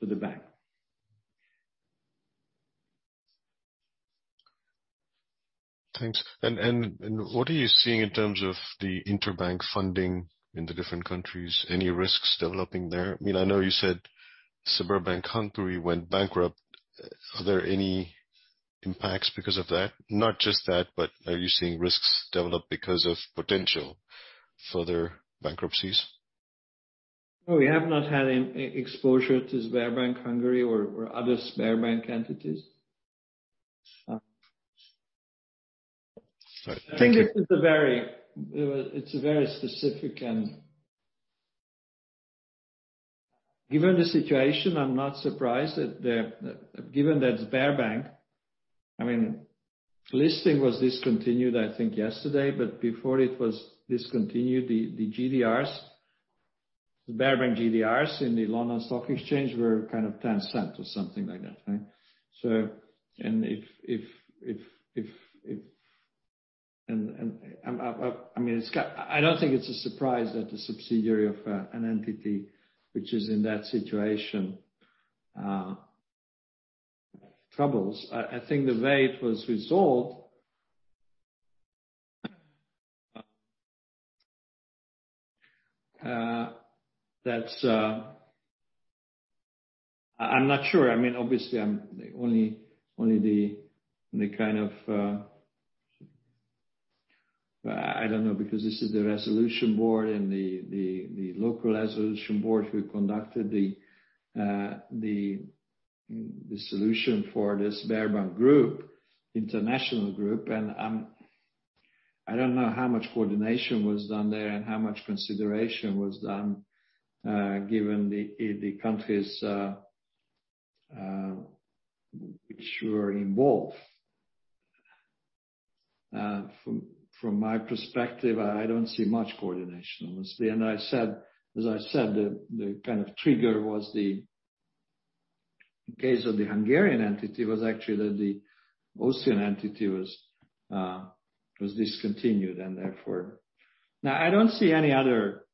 the bank. Thanks. What are you seeing in terms of the interbank funding in the different countries? Any risks developing there? I mean, I know you said Sberbank Hungary went bankrupt. Are there any impacts because of that? Not just that, but are you seeing risks develop because of potential further bankruptcies? No, we have not had any exposure to Sberbank Hungary or other Sberbank entities. All right. Thank you. I think it's a very specific and given the situation, I'm not surprised that the given that Sberbank, I mean, listing was discontinued, I think, yesterday, but before it was discontinued, the GDRs, the Sberbank GDRs in the London Stock Exchange were kind of $0.10 or something like that, right? If and I'm, I mean, it's got I don't think it's a surprise that the subsidiary of an entity which is in that situation troubles. I think the way it was resolved, that's. I'm not sure. I mean, obviously, I'm only the kind of I don't know because this is the resolution board and the local resolution board who conducted the solution for this VTB Bank, international group. I don't know how much coordination was done there and how much consideration was done, given the countries which were involved. From my perspective, I don't see much coordination, honestly. I said, as I said, the kind of trigger was, in case of the Hungarian entity, actually that the Austrian entity was discontinued and therefore. Now, I don't see any other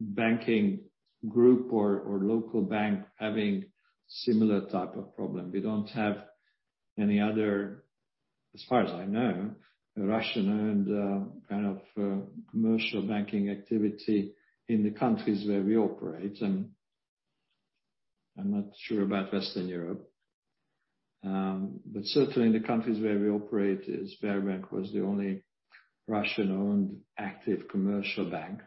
banking group or local bank having similar type of problem. We don't have any other, as far as I know, Russian-owned kind of commercial banking activity in the countries where we operate, and I'm not sure about Western Europe. But certainly in the countries where we operate, VTB Bank was the only Russian-owned active commercial bank.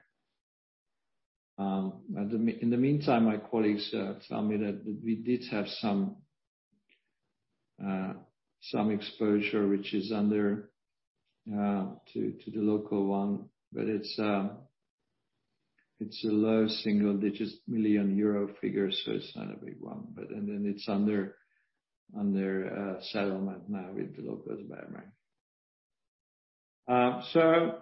In the meantime, my colleagues tell me that we did have some exposure, which is under to the local one, but it's a low single-digit million EUR figure, so it's not a big one. But and then it's under settlement now with the local VTB Bank. So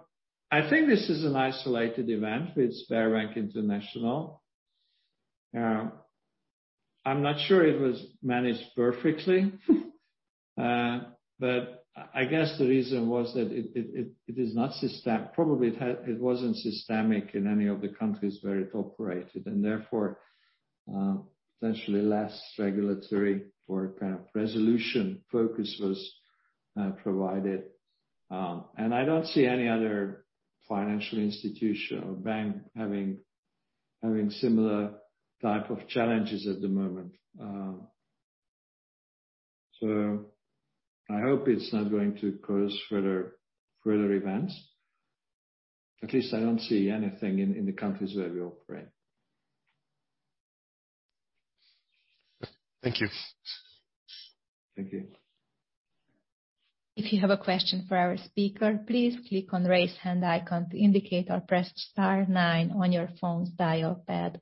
I think this is an isolated event with VTB Bank International. I'm not sure it was managed perfectly. But I guess the reason was that it is not systemic. Probably it wasn't systemic in any of the countries where it operated, and therefore potentially less regulatory or kind of resolution focus was provided. And I don't see any other financial institution or bank having similar type of challenges at the moment. I hope it's not going to cause further events. At least I don't see anything in the countries where we operate. Thank you. Thank you. If you have a question for our speaker, please click on Raise Hand icon to indicate or press star nine on your phone's dial pad.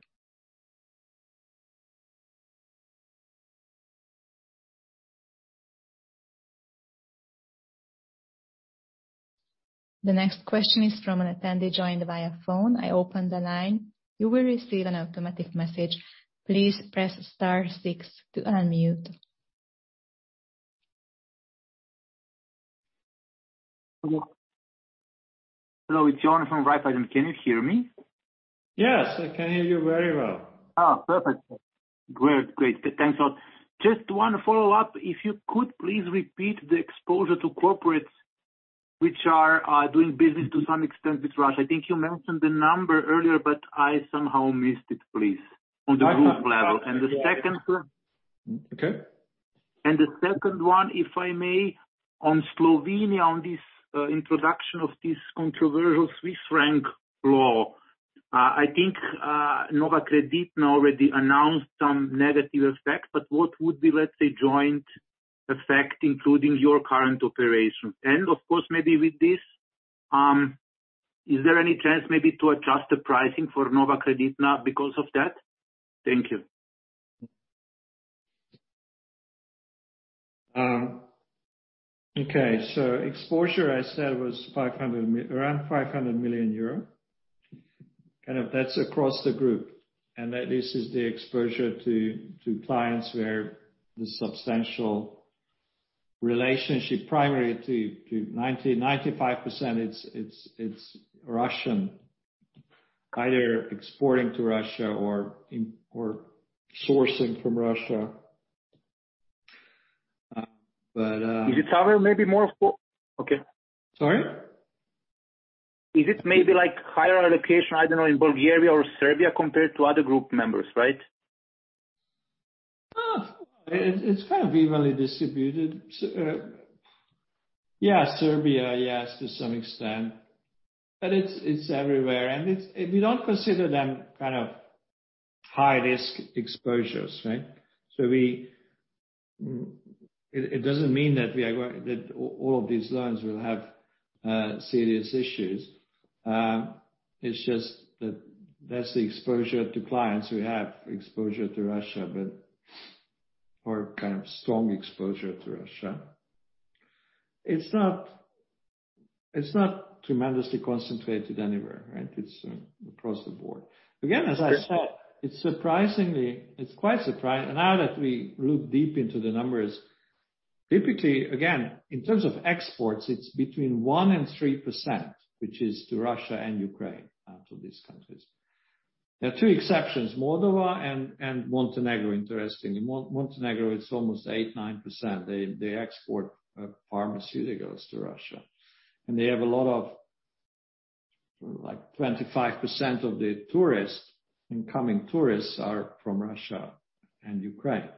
The next question is from an attendee joined via phone. I open the line. You will receive an automatic message. Please press star six to unmute. Hello, it's John from Can you hear me? Yes, I can hear you very well. Oh, perfect. Great. Great. Thanks a lot. Just one follow-up. If you could please repeat the exposure to corporates which are doing business to some extent with Russia. I think you mentioned the number earlier, but I somehow missed it. Please. I can. On the group level. The second one. Okay. The second one, if I may, on Slovenia, on this introduction of this controversial Swiss franc law. I think Nova Kreditna Banka Maribor Exposure, I said, was around 500 million euro. Kind of, that's across the group. That this is the exposure to clients where the substantial relationship is primarily to 95% it's Russian. Either exporting to Russia or sourcing from Russia. Okay. Sorry? Is it maybe like higher allocation, I don't know, in Bulgaria or Serbia compared to other group members, right? It's kind of evenly distributed. Yeah, Serbia, yes, to some extent, but it's everywhere. We don't consider them kind of high risk exposures, right? We don't mean that all of these loans will have serious issues. It's just that that's the exposure to clients. We have exposure to Russia, but or kind of strong exposure to Russia. It's not tremendously concentrated anywhere, right? It's across the board. Again, as I said, it's surprisingly. It's quite surprising. Now that we look deep into the numbers, typically, again, in terms of exports, it's between 1% and 3%, which is to Russia and Ukraine, to these countries. There are two exceptions, Moldova and Montenegro interestingly. Montenegro it's almost 8%-9%. They export pharmaceuticals to Russia. They have a lot of, like, 25% of the tourists, incoming tourists are from Russia and Ukraine.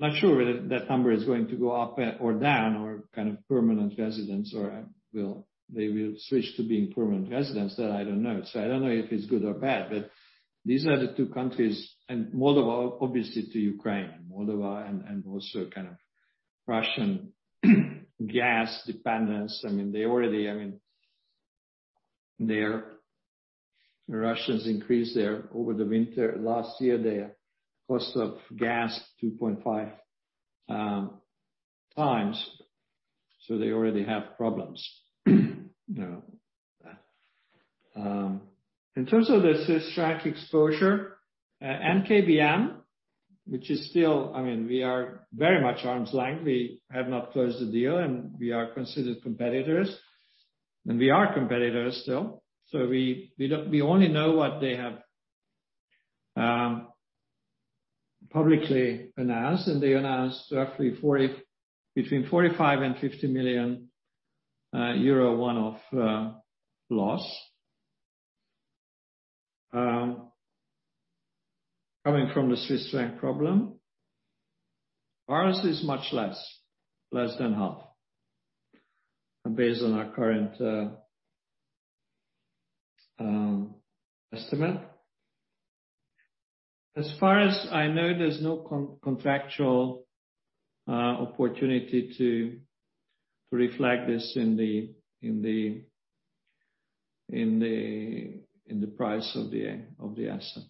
I'm not sure that number is going to go up or down, they will switch to being permanent residents, that I don't know. I don't know if it's good or bad, but these are the two countries, and Moldova, obviously, to Ukraine. Moldova and also kind of Russian gas dependence. I mean, they already. I mean, the Russians increased their over the winter last year, their cost of gas 2.5x, so they already have problems, you know. In terms of the Swiss franc exposure, NKBM, which is still. I mean, we are very much arm's length. We have not closed the deal, and we are considered competitors, and we are competitors still. We only know what they have publicly announced, and they announced roughly between 45 million and 50 million euro one off loss coming from the Swiss franc problem. Ours is much less than half based on our current estimate. As far as I know, there's no contractual opportunity to reflect this in the price of the asset.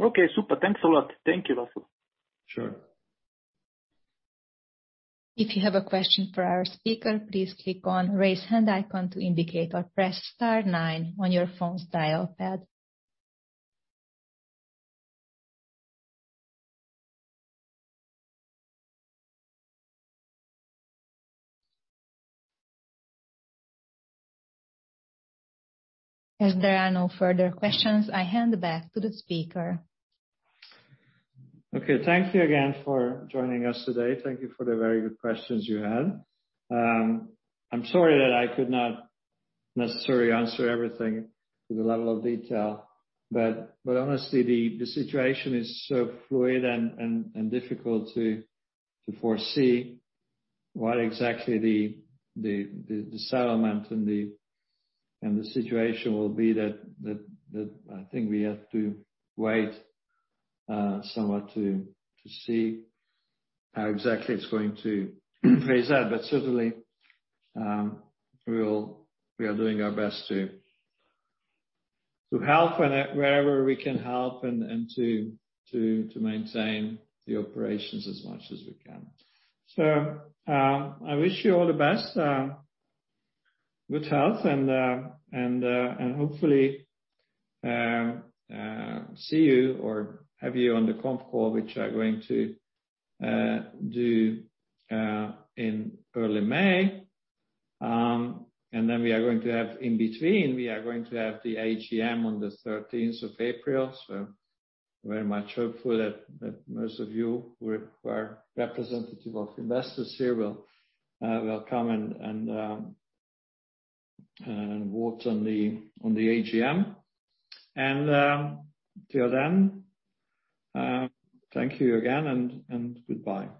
Okay. Super. Thanks a lot. Thank you, László. Sure. If you have a question for our speaker, please click on raise hand icon to indicate or press star nine on your phone's dial pad. As there are no further questions, I hand back to the speaker. Okay. Thank you again for joining us today. Thank you for the very good questions you had. I'm sorry that I could not necessarily answer everything to the level of detail, but honestly, the situation is so fluid and difficult to foresee what exactly the settlement and the situation will be that I think we have to wait somewhat to see how exactly it's going to phase out. Certainly, we are doing our best to help wherever we can help and to maintain the operations as much as we can. I wish you all the best with health and hopefully see you or have you on the conf call, which are going to do in early May. We are going to have the AGM on the thirteenth of April. Very much hopeful that most of you who are representative of investors here will come and vote on the AGM. Till then, thank you again and goodbye.